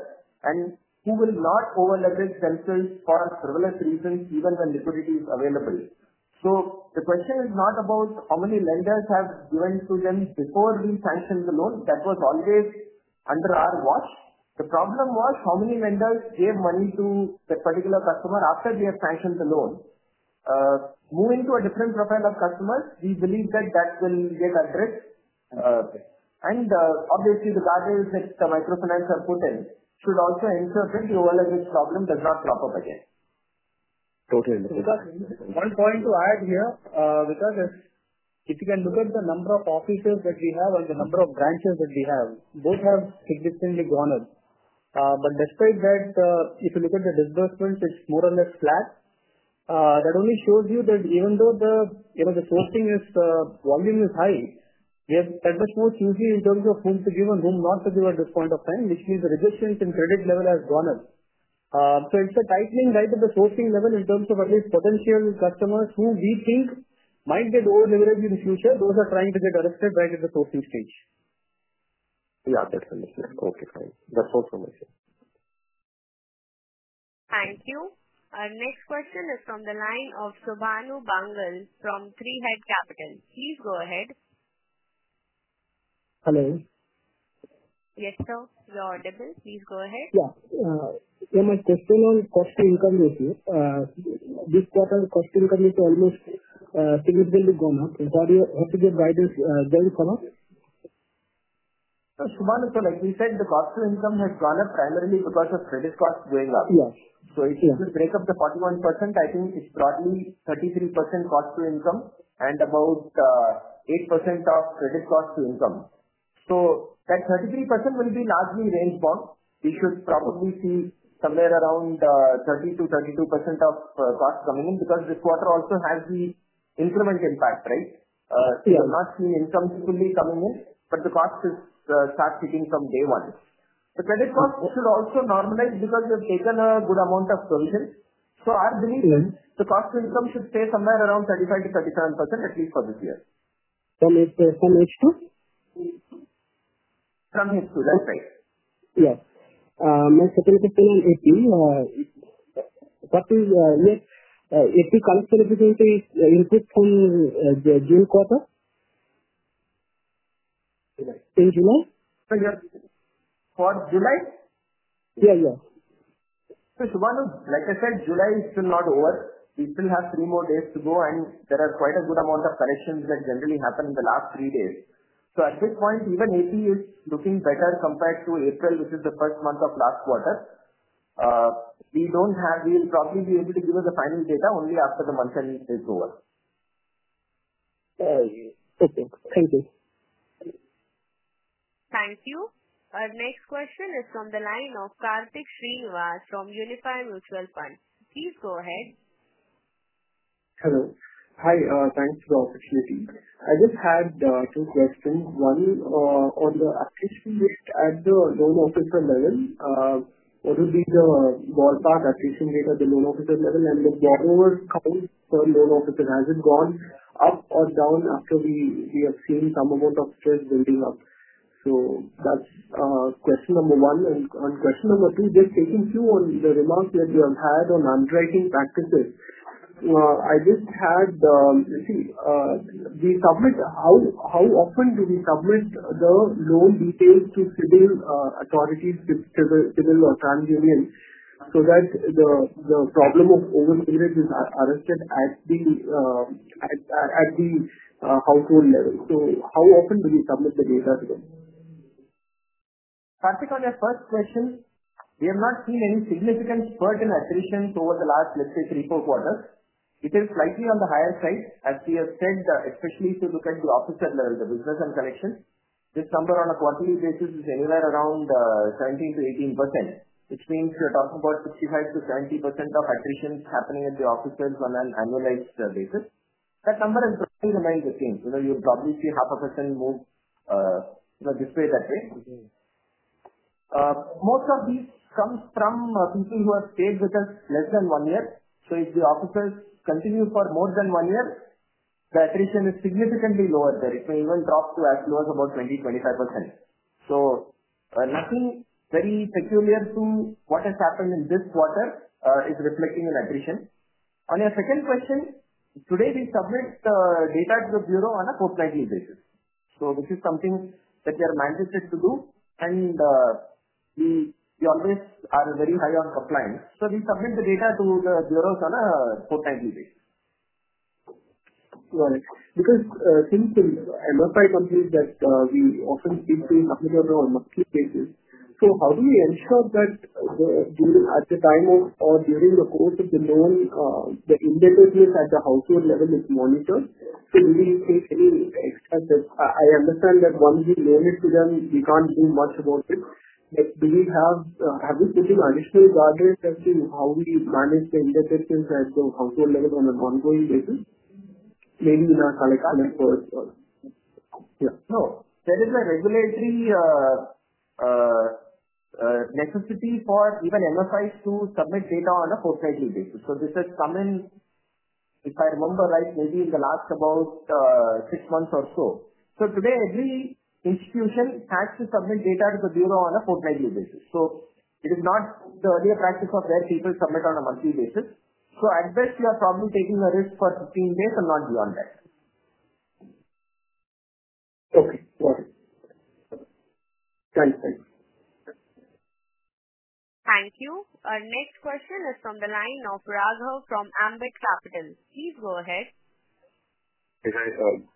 D: and who will not over-leverage themselves for surveillance reasons, even when liquidity is available. The question is not about how many lenders have given loans before we sanctioned the loan. That was always under our watch. The problem was how many lenders gave money to the particular customer after we have sanctioned the loan. Moving to a different profile of customers, we believe that will get addressed. Obviously, the battles that the microfinance are put in should also interfere with the over-leverage problem so it does not crop up again.
J: Totally understand.
G: One point to add here, because if you can look at the number of offices that we have or the number of branches that we have, both have significantly gone up. Despite that, if you look at the disbursements, it's more or less flat. That only shows you that even though the sourcing volume is high, we have tend to source easily in terms of whom to give and whom not to give at this point of time, which means the resistance in credit level has gone up. It's a tightening right at the sourcing level in terms of at least potential customers who we think might get over-leveraged in the future. Those are trying to get arrested right at the sourcing stage.
J: Yeah, definitely. Okay, fine. That's all from my side.
A: Thank you. Our next question is from the line of Subhanu Bangal from Tree Head Capital. Please go ahead.
K: Hello.
A: Yes, sir. Is it audible? Please go ahead.
K: Yeah, my question on cost to income ratio. This quarter, cost to income is almost significantly gone up. For your guidance, go ahead and follow up.
D: As you said, the cost to income has gone up primarily because of credit cost going up. If you break up the 41%, I think it's probably 33% cost to income and about 8% of credit cost to income. That 33% will be largely raised bonds. We should probably see somewhere around 30%-32% of cost coming in because this quarter also has the increment impact, right? Mostly income will be coming in, but the cost is starting from day one. The credit cost should also normalize because we have taken a good amount of provision. I believe the cost to income should stay somewhere around 35%-37% at least for this year.
K: From H2?
D: From H2. Okay.
K: Yeah. My second question on H2. If the cost of everything is adequate for the June quarter? in July?
D: For July? Yeah, yeah. Like I said, July is still not over. April has three more days to go, and there are quite a good amount of collections that generally happen in the last three days. At this point, even if it is looking better compared to April, which is the first month of last quarter, we will probably be able to give you the final data only after the month end is over.
K: Thank you.
A: Thank you. Our next question is from the line of Karthik Srinivas from Unifi Mutual Fund. Please go ahead.
L: Hello. Hi. Thanks for the opportunity. I just had two questions. One is on the activity rate at the loan officer level. What would be the ballpark activation rate at the loan officer level? The overall current loan officer, has it gone up or down after we have seen some amount of stress building up? That's question number one. On question number three, just taking a few on the remarks that you have had on underwriting practices. I just had the, you see, how often do we submit the loan details to civil authorities, to the CIBIL or TransUnion, so that the problem of over-leverage is arrested at the household level? How often do we submit the data to them?
D: Karthik, on your first question, we have not seen any significant spurt in attrition over the last, let's say, three or four quarters. It is slightly on the higher side, as we have said, especially if you look at the officer level, the business and collection. This number on a quarterly basis is anywhere around 17%-18%, which means you're talking about 65%-70% of attrition happening at the officers on an annualized basis. That number is basically the main thing. You'll probably see half a percent more displayed that way. Most of this comes from people who have stayed with us less than one year. If the officers continue for more than one year, the attrition is significantly lower there. It may even drop to as low as about 20%-25%. Nothing very peculiar to what has happened in this quarter is reflecting in attrition. On your second question, today we submit the data to the bureau on a quarterly basis. This is something that we are mandated to do, and we always are very high on compliance. We submit the data to the bureaus on a quarterly basis.
L: Got it. Since MFI companies that we often see in multiple cases, how do we ensure that during the time or during the course of the loan? I understand that once the loan is done, we can't do much about it. Do we have additional guideline testing how we manage the interface to household level and ongoing level, maybe in our CalAccount as well.
D: There is a regulatory necessity for even MFIs to submit data on a quarterly basis. This has come in, if I remember right, maybe in the last about six months or so. Today, every institution has to submit data to the bureau on a quarterly basis. It is not the earlier practice where people submit on a monthly basis. At best, you are probably taking a risk for 15 days and not beyond that.
L: Thank you.
A: Thank you. Our next question is from the line of Raghav from Ambit Capital. Please go ahead.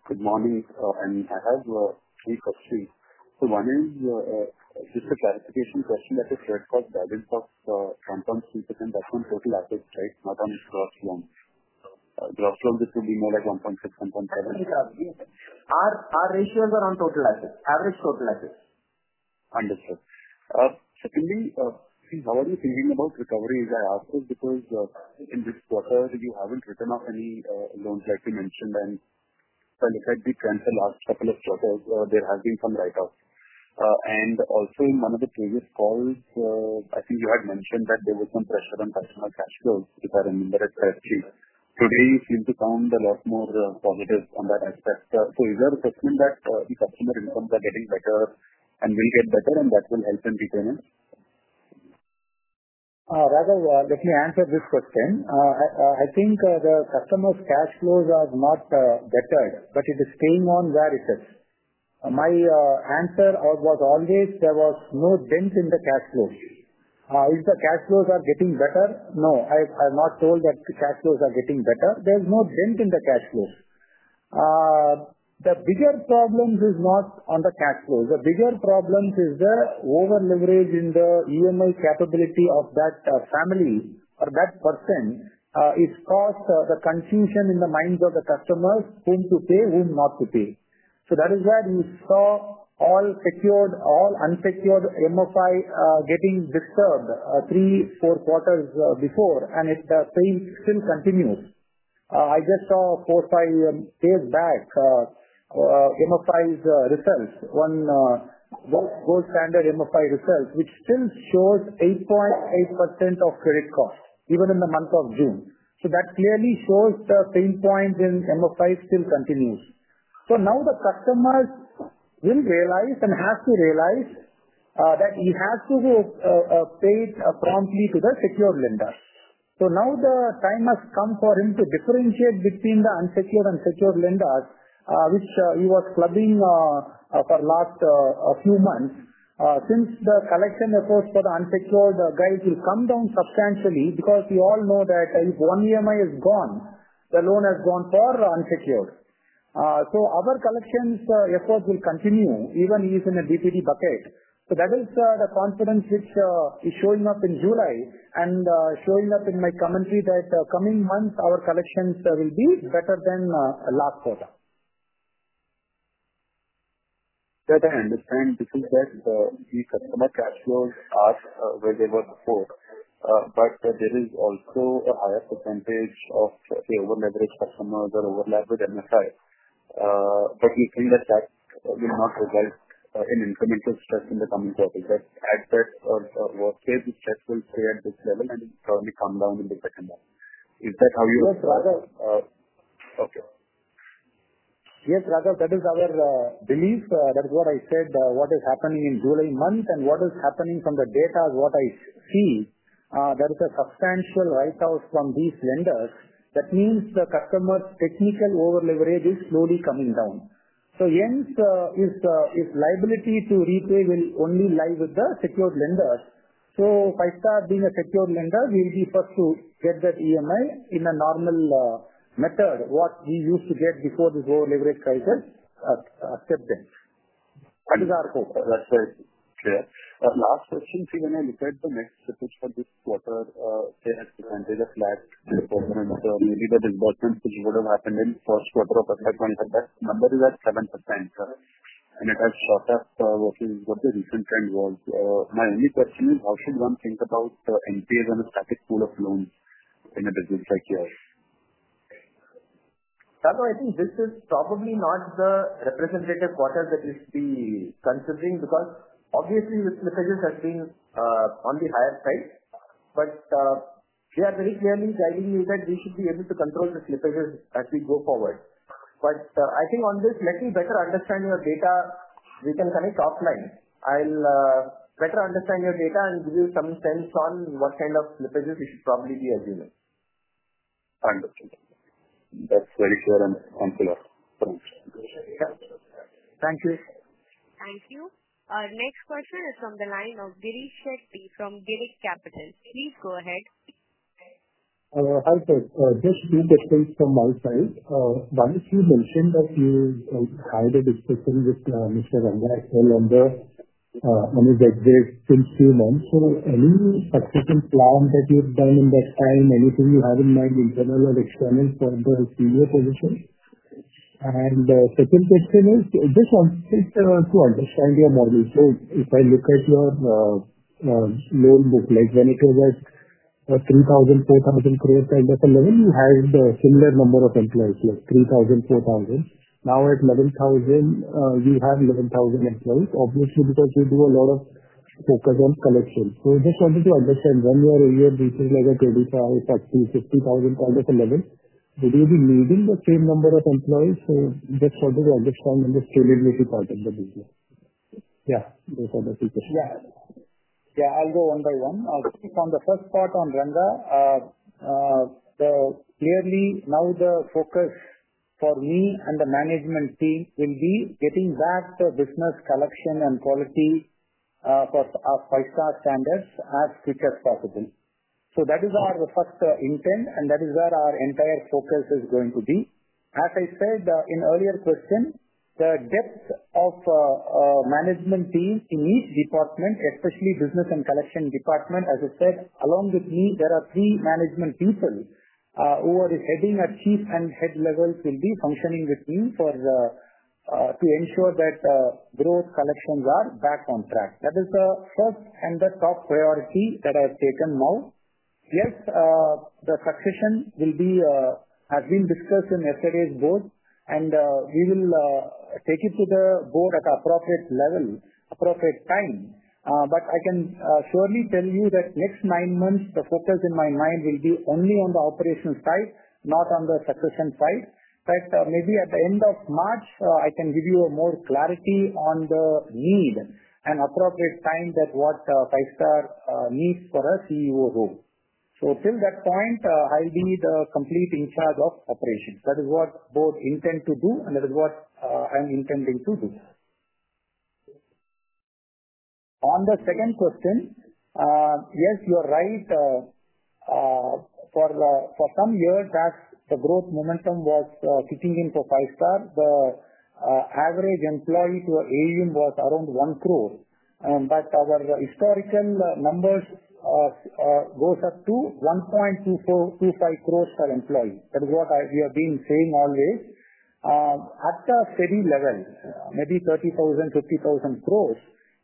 M: Good morning. I have a case of three. One is just a clarification question that the shared cost balance of 1.3% is on total assets, right, not on drawstrong. On drawstrong, it will be more like 1.6%, 1.7%.
D: Our ratios are on total assets, average total assets.
M: Understood. Secondly, how are you feeling about recovery of the assets? In this quarter, you haven't written off any loans like you mentioned. In fact, the trends the last couple of quarters, there have been some write-offs. Also, in one of the previous calls, I think you had mentioned that there was some pressure on customer cash flow. If I remember correctly, today you seem to count a lot more positives on that as pressure. Is there a question that it's optimal to inform that getting better and will get better and what will help them to pay?
C: Raghav, let me answer this question. I think the customer's cash flows are not better, but it is staying on where it is. My answer was always there was no dint in the cash flows. If the cash flows are getting better, no, I'm not told that cash flows are getting better. There's no dint in the cash flow. The bigger problem is not on the cash flows. The bigger problem is the over-leveraging in the EMI capability of that family or that person. It's caused the confusion in the minds of the customers whom to pay, whom not to pay. That is why we saw all secured, all unsecured MFI getting disturbed three, four quarters before, and the pain still continues. I just saw four or five days back MFI's results, one gold standard MFI results, which still shows 8.8% of credit costs, even in the month of June. That clearly shows the pain points in MFI still continue. Now the customers didn't realize and have to realize that he has to pay promptly to the secured lender. Now the time has come for him to differentiate between the unsecured and secured lenders, which he was clubbing for the last few months. Since the collection efforts for the unsecured, the guide will come down substantially because we all know that if one EMI is gone, the loan has gone for unsecured. Our collections efforts will continue even if in a DPD bucket. That is the confidence which is showing up in July and showing up in my commentary that coming month, our collections will be better than last quarter.
M: That I understand. This is what the customer cash flows are where they were before. There is also a higher percentage of the over-leveraged customers that overlap with MFI. We've seen the sharp impact in the infinite stress in the coming quarters. As that workplace is stressful, stay at this level, it will probably come down in the customer. Is that how you are?
C: Yes, Raghav, that is our belief. That's what I said, what is happening in July month and what is happening from the data is what I see. There is a substantial write-offs from these lenders. That means the customer's technical over-leverage is slowly coming down. Hence, his liability to repay will only lie with the secured lenders. Five-Star being a secured lender will be able to get that EMI in a normal method, what we used to get before the low leverage crisis up to this.
M: That's very clear. Our last question is, you know, you said the next quarter changes to the last quarter, and maybe that is important to you what has happened in the first quarter of the second quarter. That number is at 7%, sir. In the first quarter, what is what the difference involved? My only question is, how should one think about NPAs and a static pool of loans in a different situation?
D: Raghav, I think this is probably not the representative quarter that we should be considering because obviously, this leasing has been on the higher price. We are very clearly guiding you that we should be able to control this leasing as we go forward. I think on this, let me better understand your data. We can connect top lines. I'll better understand your data and give you some sense on what kind of leases we should probably be reviewing.
M: That's very clear.
D: Thank you.
A: Thank you. Our next question is from the line of Girish Shetty from Girik Capitals. Please go ahead.
N: Hi, sir. Just a few questions from our side. You mentioned that you had a discussion with a senior position. The second question is, just to understand your model, if I look at your loan book, like when it was at 3,000 crore, 4,000 crore kind of a level, you had a similar number of employees, like 3,000, 4,000. Now at 11,000, we have 11,000 employees, obviously because we do a lot of focus on collection. I just wanted to understand when you are reaching like 35,000, 30,000, 50,000 on this level, will you be needing the same number of employees? I just wanted to understand on the scaling we've got in the business.
C: Yeah.
N: Go for the details.
C: Yeah. Yeah, I'll go one by one. I'll pick on the first part on Ranga. Clearly, now the focus for me and the management team will be getting back to business collection and quality for our Five-Star standards as quick as possible. That is our first intent, and that is where our entire focus is going to be. As I said in earlier questions, the depths of management teams in each department, especially business and collection department, as I said, along with me, there are three management people who are heading at Chief and Head levels will be functioning with me to ensure that growth collections are back on track. That is the first and the top priority that I've taken now. Yes, the succession has been discussed in yesterday's board, and we will take it to the board at the appropriate level, appropriate time. I can surely tell you that next nine months, the focus in my mind will be only on the operational side, not on the succession side. Maybe at the end of March, I can give you more clarity on the need and appropriate time that what Five-Star needs for a CEO role. Till that point, I'll be the complete in charge of operations. That is what the board intends to do, and that is what I'm intending to do. On the second question, yes, you're right. For some years, the growth momentum was kicking into Five-Star. The average employee to AUM was around 1 crore. Our historical numbers goes up to 1.25 crore per employee. That is what we have been saying always. At the steady level, maybe 30,000 crore,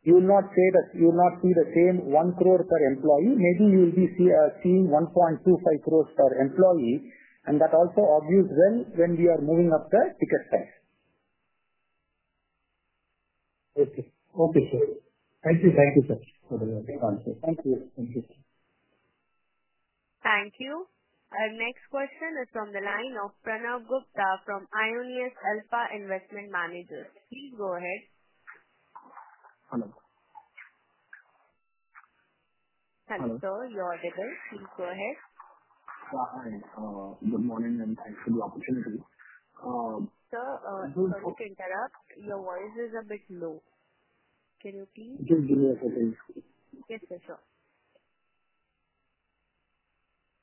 C: 50,000 crore, you will not see the same 1 crore per employee. Maybe we'll be seeing 1.25 crore per employee. That also obviously is when we are moving up the ticket price.
N: Okay. Okay, sir. Thank you. Thank you, sir.
C: Thank you.
A: Thank you. Our next question is from the line of Pranav Gupta from Aionios Alpha Investment Managers. Please go ahead.
O: Hello.
A: Hello, sir. You're audible. Please go ahead.
O: Hi. Good morning, and thanks for the opportunity.
A: Sir, I'm sorry to interrupt. Your voice is a bit low. Can you repeat?
O: Just give me a second.
A: Yes, sir. Sure.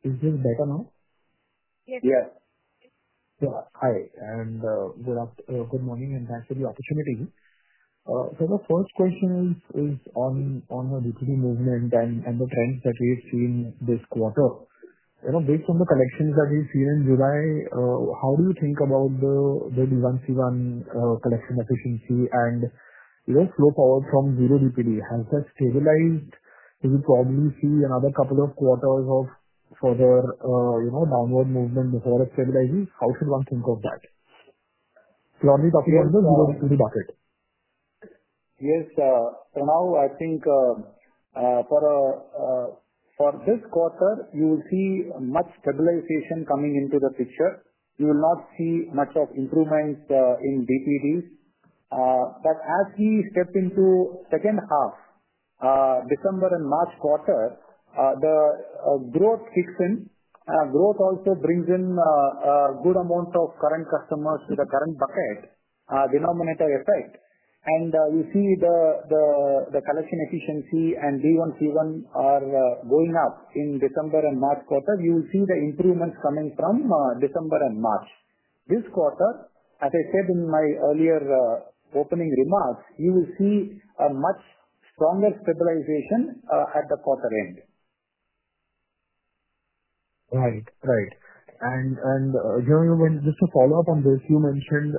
O: Is this better now?
A: Yes.
C: Yeah.
O: Hi, and good morning, and thanks for the opportunity. The first question is on the DPD movement and the trends that we've seen this quarter. Based on the collections that we've seen in July, how do you think about the W1C1 collection efficiency and flow power from Zero DPD? Has that stabilized? Do we probably see another couple of quarters of further downward movement before it stabilizes? How should one think of that? Currently talking on the Zero DPD market.
C: Yes. For now, I think for the quarter, you will see much stabilization coming into the picture. You will not see much of improvements in BPDs. As we step into the second half, December and March quarter, the growth kicks in. Growth also brings in a good amount of current customers to the current bucket, denominator effect. You see the collection efficiency and D1Q1 are going up in December and March quarter. You will see the improvements coming from December and March. This quarter, as I said in my earlier opening remarks, you will see a much stronger stabilization at the quarter end.
O: Right. Jerome, just to follow up on this, you mentioned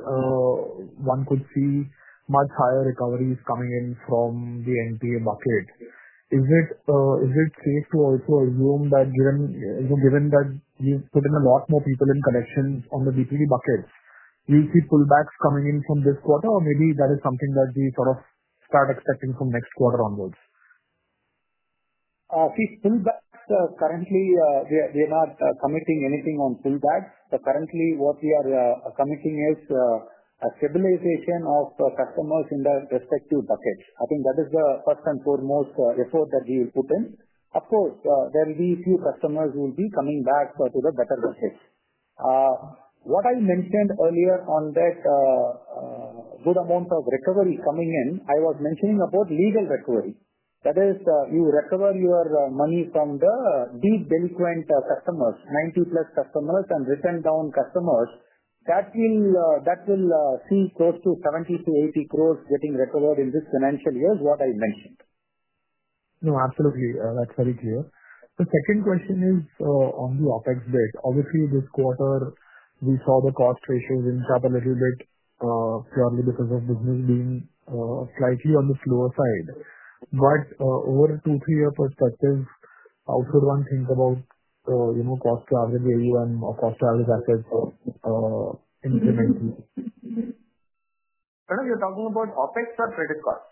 O: one could see much higher recoveries coming in from the NPA bucket. Is it safe to also assume that given that you've put in a lot more people in connections on the BPD bucket, you'll see pullbacks coming in from this quarter? Maybe that is something that we sort of start expecting from next quarter onwards?
C: Currently, they're not committing anything on pullbacks. Currently, what we are committing is a stabilization of the customers in their respective buckets. I think that is the first and foremost effort that we will put in. Of course, there will be a few customers who will be coming back to the better buckets. What I mentioned earlier on this, good amount of recovery coming in, I was mentioning about legal recovery. That is, you recover your money from the deep delinquent customers, 90+ customers and written-down customers. That will see close to 70 crore to 80 crore getting recovered in this financial year, is what I mentioned.
O: No, absolutely. That's very clear. The second question is on the OpEx base. Obviously, this quarter, we saw the cost ratios impact a little bit, purely because of business being slightly on the slower side. Over a two, three-year perspective, how should one think about, you know, cost-to-market value and cost-to-market assets for implementing?
D: I know you're talking about OpEx or credit costs?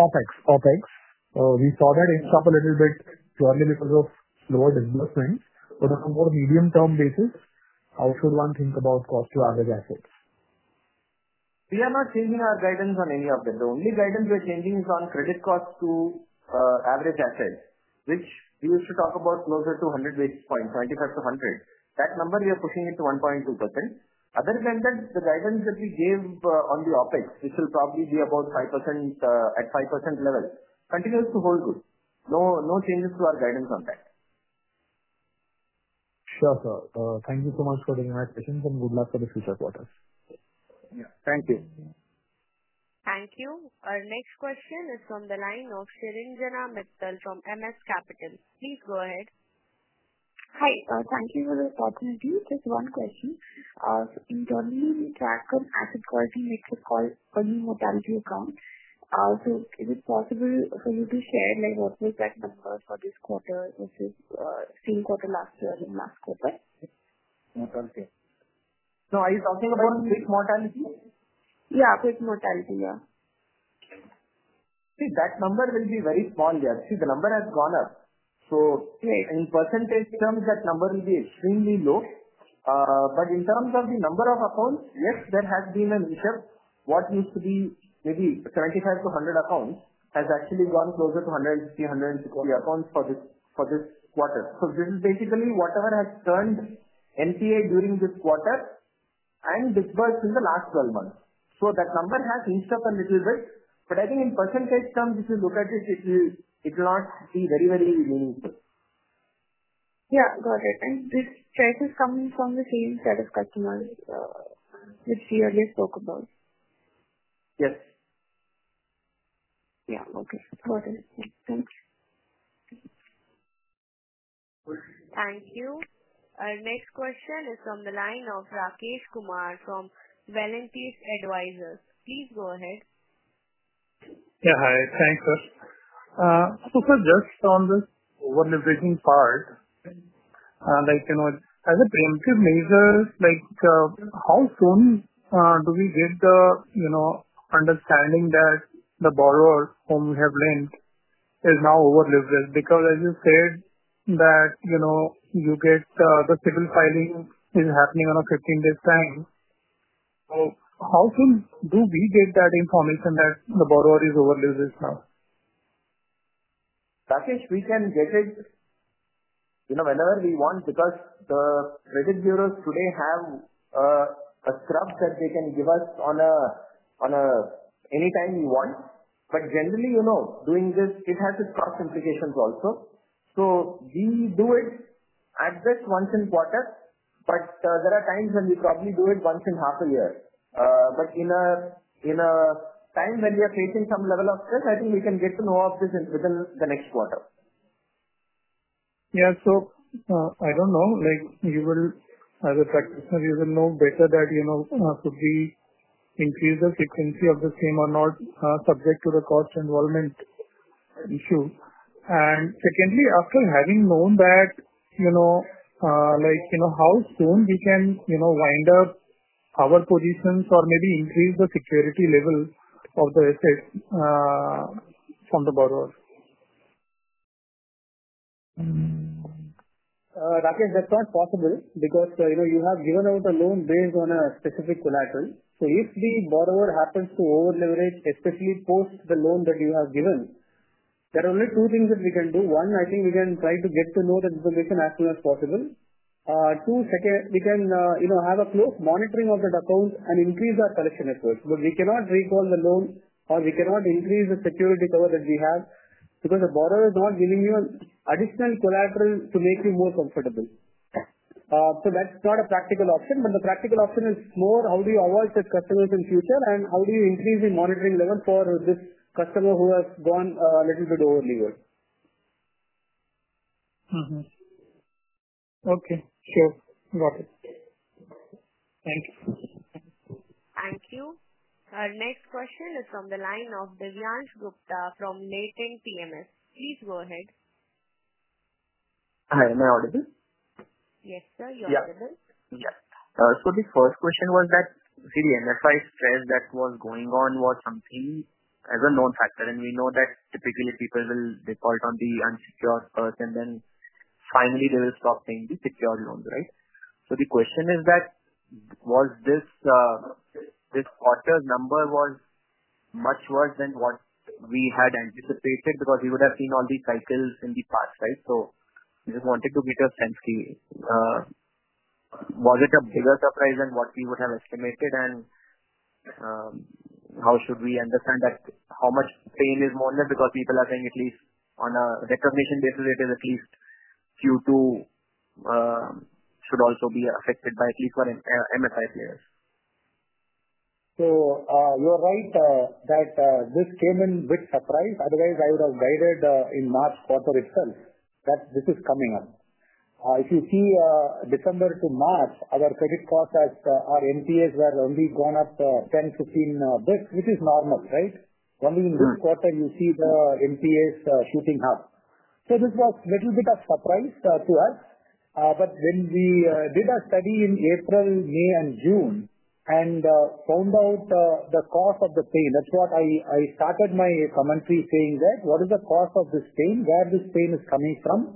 O: OpEx, OpEx. We saw that it's up a little bit purely because of slower disbursements. On a more medium-term basis, how should one think about cost-to-market assets?
D: We are not changing our guidance on any of them. The only guidance we are changing is on credit costs to average assets, which we should talk about closer to 100 basis points, 95 to 100. That number, we are pushing it to 1.2%. Other than that, the guidance that we gave on the OpEx, which will probably be about 5%, at 5% level, continues to hold good. No changes to our guidance on that.
O: Sure, sir. Thank you so much for the invitation, and good luck for the future quarters.
D: Thank you.
A: Thank you. Our next question is from the line of Shrinjana Mittal from MS Capitals. Please go ahead.
P: Hi, thank you for this opportunity. Just one question. In the early, we tracked some asset quality metrics called early mortality account. Is it possible for you to share, like, what was that number for this quarter versus same quarter last year and last quarter?
D: No, I was asking about risk mortality.
P: Yeah, risk mortality, yeah.
D: See, that number will be very small there. The number has gone up. In percentage terms, that number will be extremely low, but in terms of the number of accounts, yes, there has been an increase. What used to be maybe 75 to 100 accounts has actually gone closer to 150, 160 accounts for this quarter. This is basically whatever has turned NPA during this quarter and disbursed in the last 12 months. That number has inched up a little bit. I think in percentage terms, if you look at it, it will be very, very low.
P: Got it. This change is coming from the same set of customers, which we earlier spoke about?
D: Yes.
P: Yeah, okay. Got it. Thanks.
A: Thank you. Our next question is from the line of Rakesh Kumar from Valentis Advisors. Please go ahead.
Q: Yeah, hi. Thanks, first. Just on this over-leveraging part, like, you know, as a preemptive measure, how soon do we get the, you know, understanding that the borrower whom we have lent is now over-leveraged? Because as you said that, you know, you get the civil filing is happening in a 15-day time. How soon do we get that information that the borrower is over-leveraged now?
D: Rakesh, we can get it whenever we want because the credit bureaus today have a scrub that they can give us anytime we want. Generally, doing this has its cost implications also. We do it at least once in a quarter, but there are times when we probably do it once in half a year. In a time when we are facing some level of stress, I think we can get to know of this within the next quarter.
Q: I don't know. You, as a practitioner, will know better if we should increase the frequency of the same or not, subject to the cost involvement issue. Secondly, after having known that, how soon we can wind up our positions or maybe increase the security level of the assets from the borrower?
G: Rakesh, that's not possible because, you know, you have given out a loan based on a specific collateral. If the borrower happens to over-leverage, especially post the loan that you have given, there are only two things that we can do. One, I think we can try to get to know the information as soon as possible. Two, we can have a close monitoring of that account and increase our collection efforts. We cannot recall the loan or increase the security cover that we have because the borrower is not giving you an additional collateral to make you more comfortable. That's not a practical option. The practical option is more how do you avoid the customer's future and how do you increase the monitoring level for this customer who has gone a little bit over-leveraged?
Q: Okay. Sure. Got it. Thanks.
A: Thank you. Our next question is from the line of Devyansh Gupta from Latent PMS. Please go ahead.
R: Hi. Am I audible?
A: Yes, sir. You're audible.
R: Yes. The first question was that, see, the NFI stress that was going on was something as a known factor. We know that typically people will default on the unsecured first, and then finally, they will stop paying the secured loans, right? The question is that was this, this quarter's number was much worse than what we had anticipated because we would have seen all these cycles in the past, right? We just wanted to get a sense of, was it a bigger surprise than what we would have estimated? How should we understand that, how much pain is more than because people are saying at least on a recognition basis, it is at least Q2 should also be affected by at least for NFI's years.
C: You're right, this came in with surprise. Otherwise, I would have guided in the March quarter itself that this is coming up. If you see, December to March, other credit costs that our NPAs were only going up 10, 15 bps, which is normal, right? Only in this quarter, you see the NPAs shooting up. This was a little bit of a surprise to us. When we did a study in April, May, and June, and found out the cause of the pain, that's what I started my commentary saying. What is the cause of this pain? Where is this pain coming from?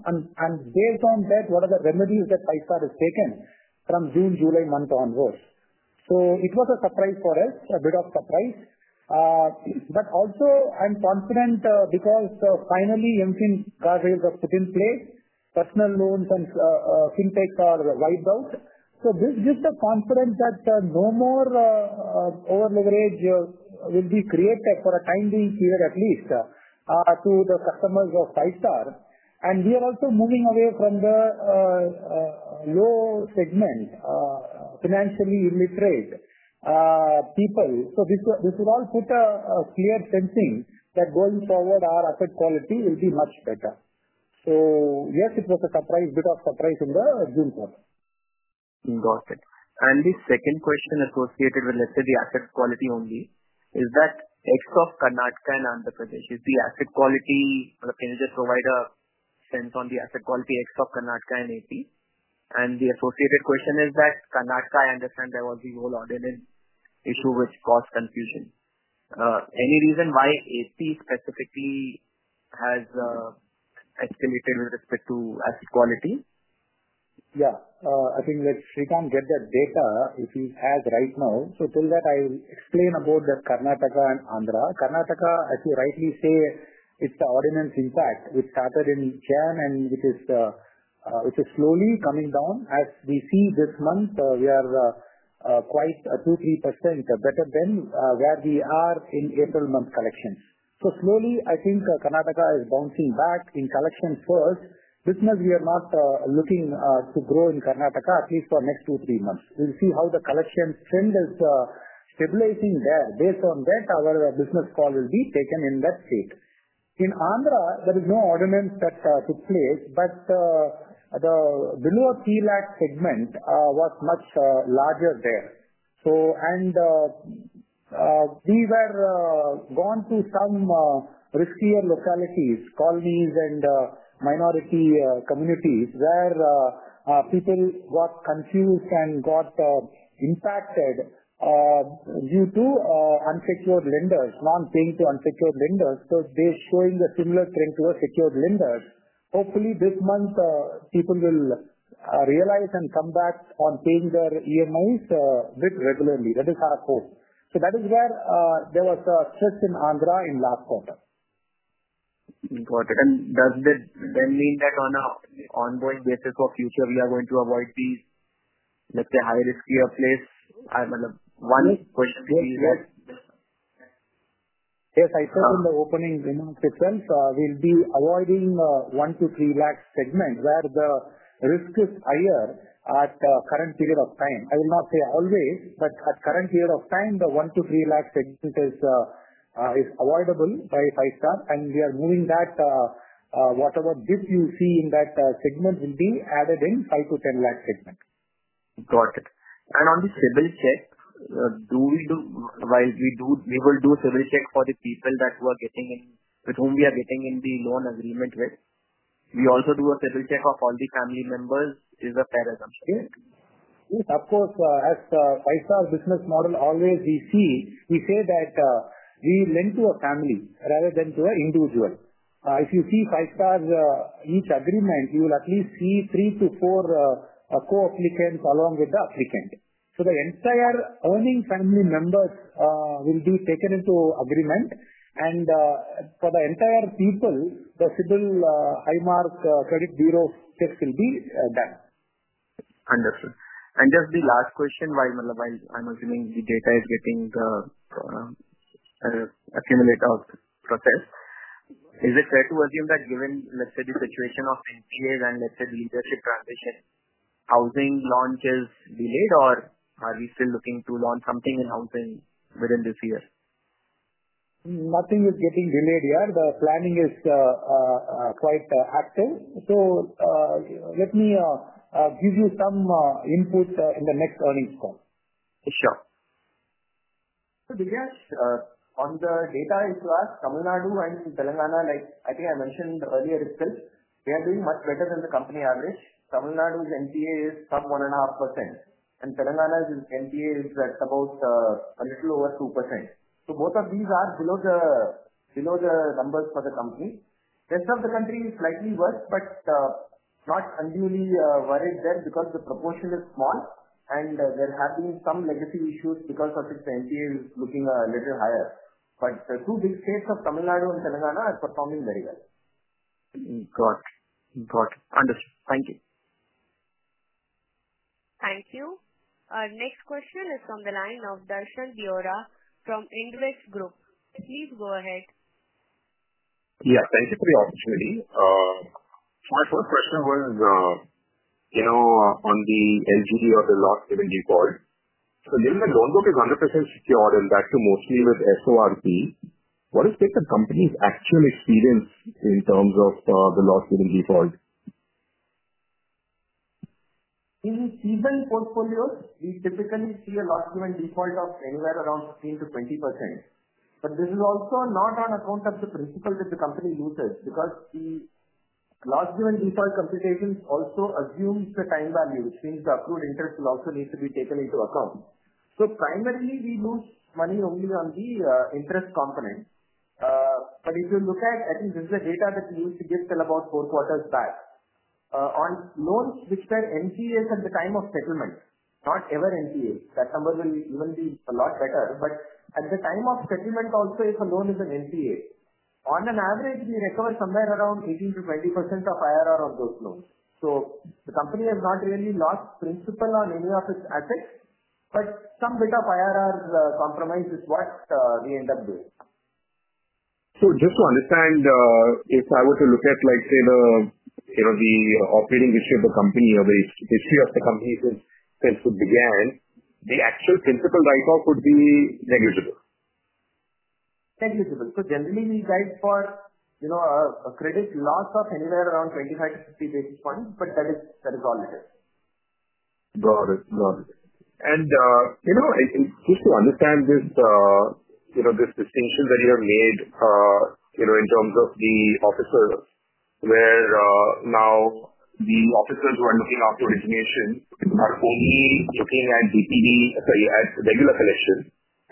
C: Based on that, what are the remedies that Five-Star Business Finance Limited has taken from June, July month onward? It was a surprise for us, a bit of a surprise. I'm confident, because finally, the emptying car sales are put in place. Personal loans and fintechs are wiped out. This gives the confidence that no more over-leverage will be created for a time being here, at least, to the customers of Five-Star Business Finance Limited. We are also moving away from the low-segment, financially illiterate people. This will all put a clear sensing that going forward, our asset quality will be much better. Yes, it was a surprise, a bit of a surprise in the June quarter.
R: Got it. The second question associated with, let's say, the asset quality only, is that excluding Karnataka and Andhra Pradesh, is the asset quality or the provision sent on the asset quality excluding Karnataka and Andhra Pradesh? The associated question is that Karnataka, I understand there was a roll-out, and it's through which caused confusion. Any reason why Andhra Pradesh specifically has escalated with respect to asset quality?
C: Yeah. I think that we can't get that data if you have right now. To that, I will explain about Karnataka and Andhra. Karnataka, as you rightly say, it's the ordinance impact, which started in January, and which is slowly coming down as we see this month. We are quite a 2%, 3% better than where we are in April month collections. Slowly, I think Karnataka is bouncing back in collection first. Business, we are not looking to grow in Karnataka, at least for the next two, three months. We'll see how the collections trend is stabilizing there. Based on that, our business call will be taken in that shape. In Andhra, there is no ordinance that took place, but the Binod-Tilak segment was much larger there. We were gone to some riskier localities, colonies, and minority communities where people got confused and got impacted due to unsecured lenders, non-paying to unsecured lenders because they're showing a similar trend to a secured lender. Hopefully, this month, people will realize and come back on paying their EMOs a bit regularly. That is our hope. That is where there was a shift in Andhra in last quarter.
R: Does that then mean that on an ongoing basis or future, we are going to avoid these, let's say, high-riskier places? I mean, one is questionable.
C: Yes, I said in the opening sequence, we'll be avoiding 1 lakh to 3 lakh segments where the risk is higher at the current period of time. I will not say always, but at the current period of time, the 1 lakh to 3 lakh segment is avoidable by Five-Star. We are moving that, whatever dip you see in that segment will be added in the 5 lakh to 10 lakh segment.
R: Got it. On the civil checks, we do civil checks for the people that we are getting in, but whom we are getting in the loan agreement with. We also do a civil check of all the family members. Is that fair enough?
C: yes, of course. As Five-Star Business Finance Limited's business model always, we see, we say that we lend to a family rather than to an individual. If you see Five-Star Business Finance Limited's, each agreement, you will at least see three to four co-applicants along with the applicant. The entire earning family members will be taken into agreement. For the entire people, the CIBIL, IMARC credit bureau checks will be done.
R: Understood. Just the last question, while I'm assuming the data is getting accumulated and processed, is it fair to assume that given, let's say, the situation of NPAs and, let's say, the interest rate transition, housing launch is delayed, or are we still looking to launch something in housing within this year?
C: Nothing is getting delayed here. The planning is quite active. Let me give you some inputs in the next earnings call.
R: Sure.
D: On the data, if you ask, Tamil Nadu and Telangana, like I think I mentioned earlier itself, they are doing much better than the company average. Tamil Nadu's NPA is sub-1.5%. Telangana's NPA is at about, a little over 2%. Both of these are below the numbers for the company. The rest of the country is slightly worse, but not unduly worried there because the proportion is small. There have been some legacy issues because its NPA is looking a little higher. The two big states of Tamil Nadu and Telangana are performing very well.
R: Got it. Got it. Understood. Thank you.
A: Thank you. Our next question is from the line of Darshan Deora from Indvest Group. Please go ahead.
S: Thank you for the opportunity. My first question was on the LGD or the loss given default. Given that loans go to 100% secured and that's mostly with SORP, what do you think the company's actual experience in terms of the loss given default?
D: In the seven portfolios, we typically see a loss given default of anywhere around 15% to 20%. This is also not on account of the principle that the company uses because the loss given default computations also assume the time value, which means the accrued interest will also need to be taken into account. Primarily, we lose money only on the interest component. If you look at, I think this is the data that we used to give still about four quarters back, on loans which had NPAs at the time of settlement, not every NPA, that number will even be a lot better. At the time of settlement also, if a loan is an NPA, on an average, we recover somewhere around 18% to 20% of IRR on those loans. The company has not really lost principle on any of its assets, but some bit of IRR compromise is what we end up doing.
S: If I were to look at, like, say, the operating history of the company or the history of the company since it began, the actual principal write-off would be negligible.
D: Negligible. Generally, we write for, you know, a credit loss of anywhere around 25 to 50 basis points, but that is all it is.
S: Got it. Just to understand this distinction that you have made in terms of the officer, where now the officers who are looking after origination are only looking at DPD as regular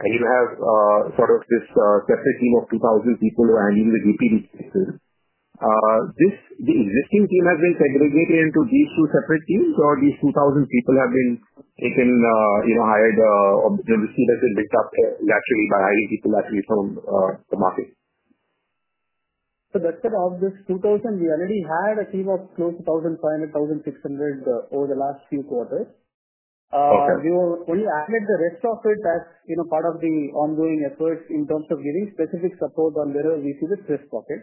S: collections. You have a separate team of 2,000 people who are handling the DPD cases. Has the existing team been segregated into these two separate teams, or have these 2,000 people been hired or received as a mix, actually by hiring people from the market?
G: That's the obvious situation. We already had a team of close to 2,500, 2,600 over the last few quarters. We will only acclimate the rest of it as part of the ongoing efforts in terms of giving specific support on whether we see the first pocket.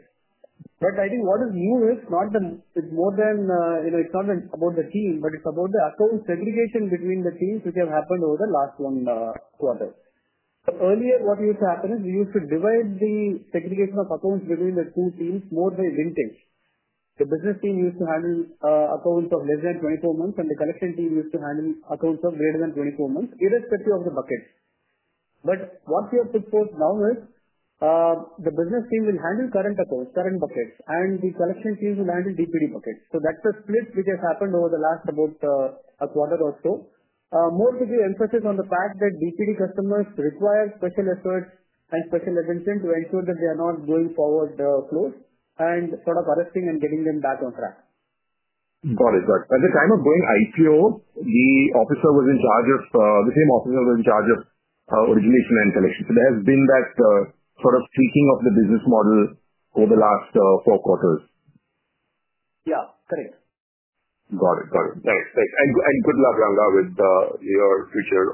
G: What is new is not that it's more than, you know, it's not about the team, but it's about the account segregation between the teams which have happened over the last one quarter. Earlier, what used to happen is we used to divide the segregation of accounts between the two teams more than in intakes. The business team used to handle accounts of less than 24 months, and the collection team used to handle accounts of greater than 24 months, irrespective of the bucket. What we have picked up now is the business team will handle current accounts, current buckets, and the collection team will handle DPD buckets. That's a split which has happened over the last about a quarter or so, more to give emphasis on the fact that DPD customers require special efforts and special attention to ensure that they are not going forward close and sort of arresting and getting them back on track.
S: At the time of doing ICO, the officer was in charge of origination and collection. There has been that sort of tweaking of the business model over the last four quarters.
G: Yeah, correct.
S: Got it. Got it. Thanks. Thanks. Good luck, Ranga, with your future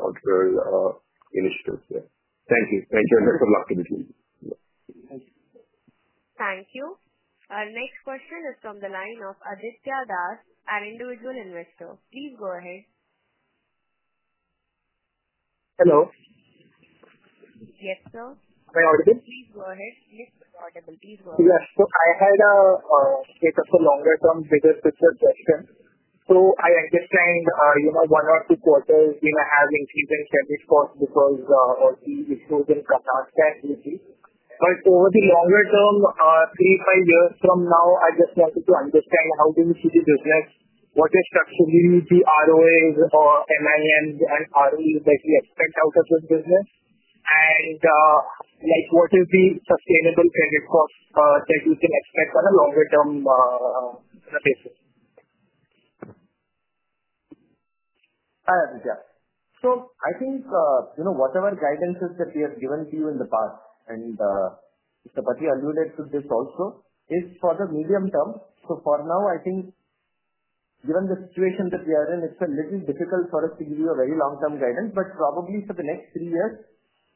S: initiatives there. Thank you. Thank you. Good luck to me.
A: Thank you. Our next question is from the line of Aditya Das as an individual investor. Please go ahead.
T: Hello?
A: Yes, sir.
T: Am I audible?
A: Please go ahead. Please go ahead.
T: Yes. I had a, it's a longer-term business question. I understand, you know, one or two quarters, I have increasing service costs because of all the issues from last year's regime. Over the longer term, three, five years from now, I just wanted to understand how do we see the business, what is actually the ROAs or MIN and ROEs that we expect out of this business? What is the sustainable service cost that we can expect on a longer-term basis?
D: Yes. I think, you know, whatever guidances that we have given to you in the past, and Mr. Patti alluded to this also, is sort of medium term. For now, I think given the situation that we are in, it's a little difficult for us to give you a very long-term guidance. Probably for the next three years,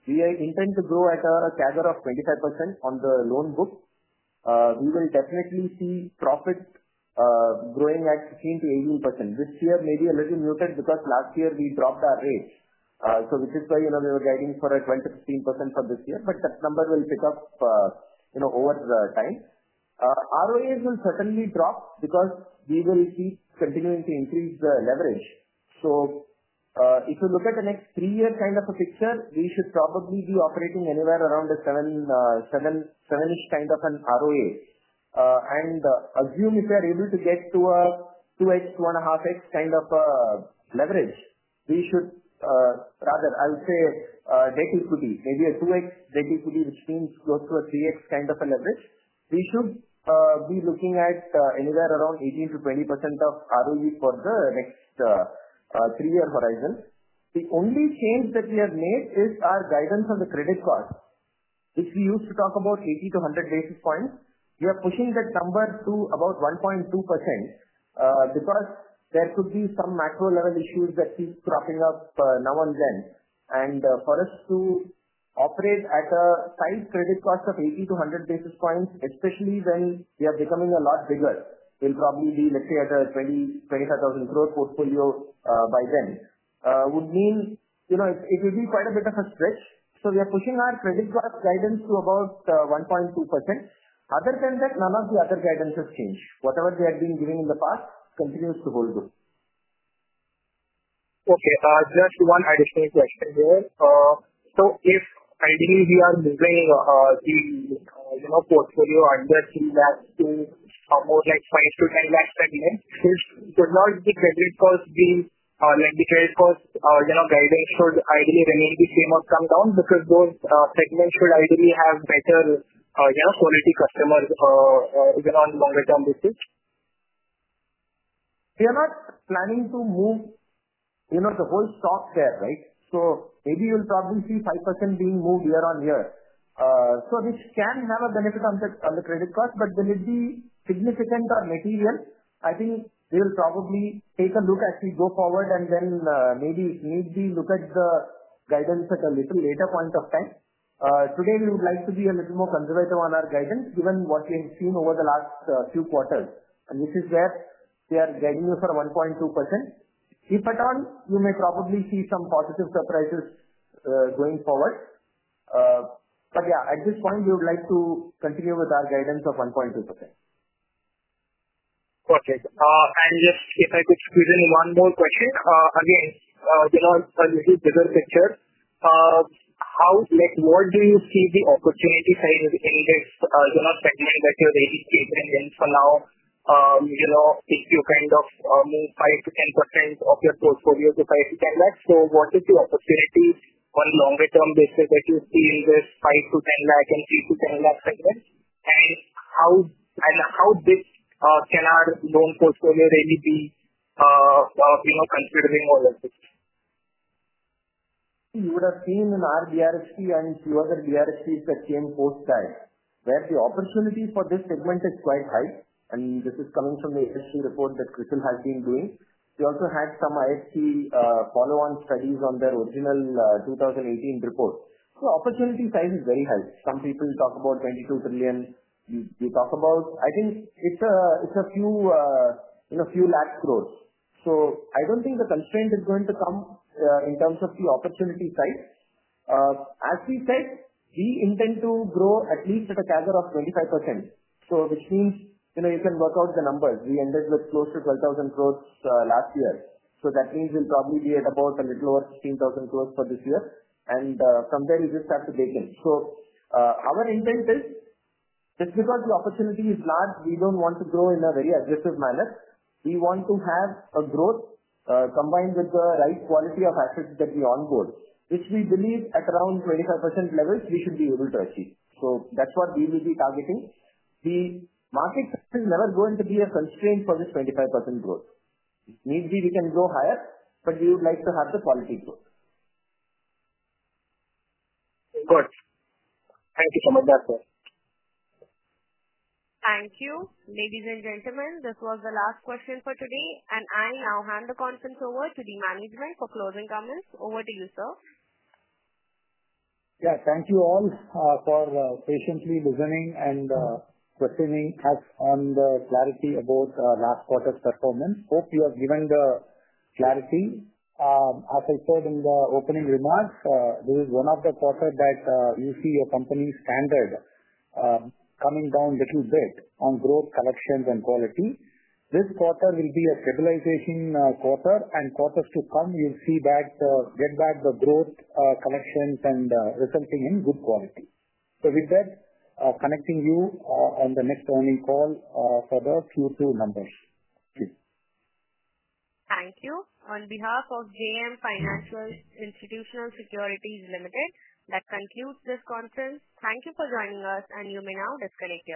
D: we are intending to grow at a CAGR of 25% on the loan book. We will definitely see profit growing at 15%-18%. This year may be a little muted because last year we dropped our rates, which is why, you know, we were guiding for a 15%-20% for this year. That number will pick up over time. ROAs will certainly drop because we will be continuing to increase the leverage. If you look at the next three-year kind of a picture, we should probably be operating anywhere around a 7x kind of an ROA. Assume if we are able to get to a 2x, 2.5x kind of leverage, or rather, I would say, debt equity, maybe a 2x debt equity, which means close to a 3x kind of leverage, we should be looking at anywhere around 18%-20% of ROE for the next three-year horizon. The only change that we have made is our guidance on the credit cost. If we used to talk about 80 to 100 basis points, we are pushing that number to about 1.2%, because there could be some macro-level issues that keep cropping up now and then. For us to operate at a tight credit cost of 80 to 100 basis points, especially when we are becoming a lot bigger, we'll probably be, let's say, at an 20,000 crore to 25,000 crore portfolio by then. That would mean, you know, it would be quite a bit of a stretch. We are pushing our credit cost guidance to about 1.2%. Other than that, none of the other guidances change. Whatever we have been giving in the past continues to hold good.
T: Okay, just one additional question here. If, ideally, we are measuring the portfolio under 3 lakh to almost like 5 lakh to 10 lakh per unit, is the large credit cost being, like the credit cost, you know, guidance should ideally remain the same or come down because those segments should ideally have better, you know, quality customers, even on longer-term basis?
D: We are not planning to move, you know, the whole stock share, right? Maybe you'll probably see 5% being moved year on year. This can have a benefit on the credit cost, but will it be significant or material? I think we will probably take a look as we go forward and then maybe immediately look at the guidance at a little later point of time. Today, we would like to be a little more conservative on our guidance given what we have seen over the last few quarters. This is where we are guiding you for 1.2%. If at all, you may probably see some positive surprises going forward. At this point, we would like to continue with our guidance of 1.2%.
T: Got it. If I could, excuse me, one more question. When you see a different picture, what do you see the opportunity side in this segment that you're raising some now? If you kind of move 5%-10% of your portfolio to 5 lakh to 10 lakh, what is the opportunity on a longer-term basis that you see in this 5 lakh to 10 lakh and 6 lakh to 10 lakh segment? How can our loan portfolio really be considering or?
D: You would have seen in our BRFC and two other BRFCs that came post that, where the opportunity for this segment is quite high. This is coming from the ASB report that CRISIL has been doing. We also had some ISC follow-on studies on their original 2018 report. Opportunity size is very high. Some people talk about 22 trillion. You talk about, I think it's a, it's a few, you know, few lakh crore. I don't think the constraint is going to come in terms of the opportunity size. As we said, we intend to grow at least at a tether of 25%. Which means, you know, you can work out the numbers. We ended with close to 12,000 crore last year. That means we'll probably be at about a little over 15,000 crore for this year. From there, we just have to break in. Our intent is, let's record the opportunity is large. We don't want to grow in a very aggressive manner. We want to have a growth combined with the right quality of assets that we onboard. If we believe at around 25% levels, we should be able to achieve. That's what we will be targeting. The markets can never go into be a constraint for this 25% growth. Maybe we can grow higher, but we would like to have the quality growth.
T: Thank you so much, sir.
A: Thank you. Ladies and gentlemen, this was the last question for today. I now hand the conference over to the management for closing comments. Over to you, sir.
C: Thank you all for patiently listening and questioning us on the clarity about last quarter's performance. Hope you have given the clarity. As I said in the opening remarks, this is one of the quarters that you see your company standard coming down a little bit on growth, collections, and quality. This quarter will be a stabilization quarter. In quarters to come, you'll see that get back the growth, collections, and resulting in good quality. With that, connecting you and the next earning call, further future numbers.
A: Thank you. On behalf of JM Financial Institutional Securities Limited, that concludes this conference. Thank you for joining us, and you may now disconnect.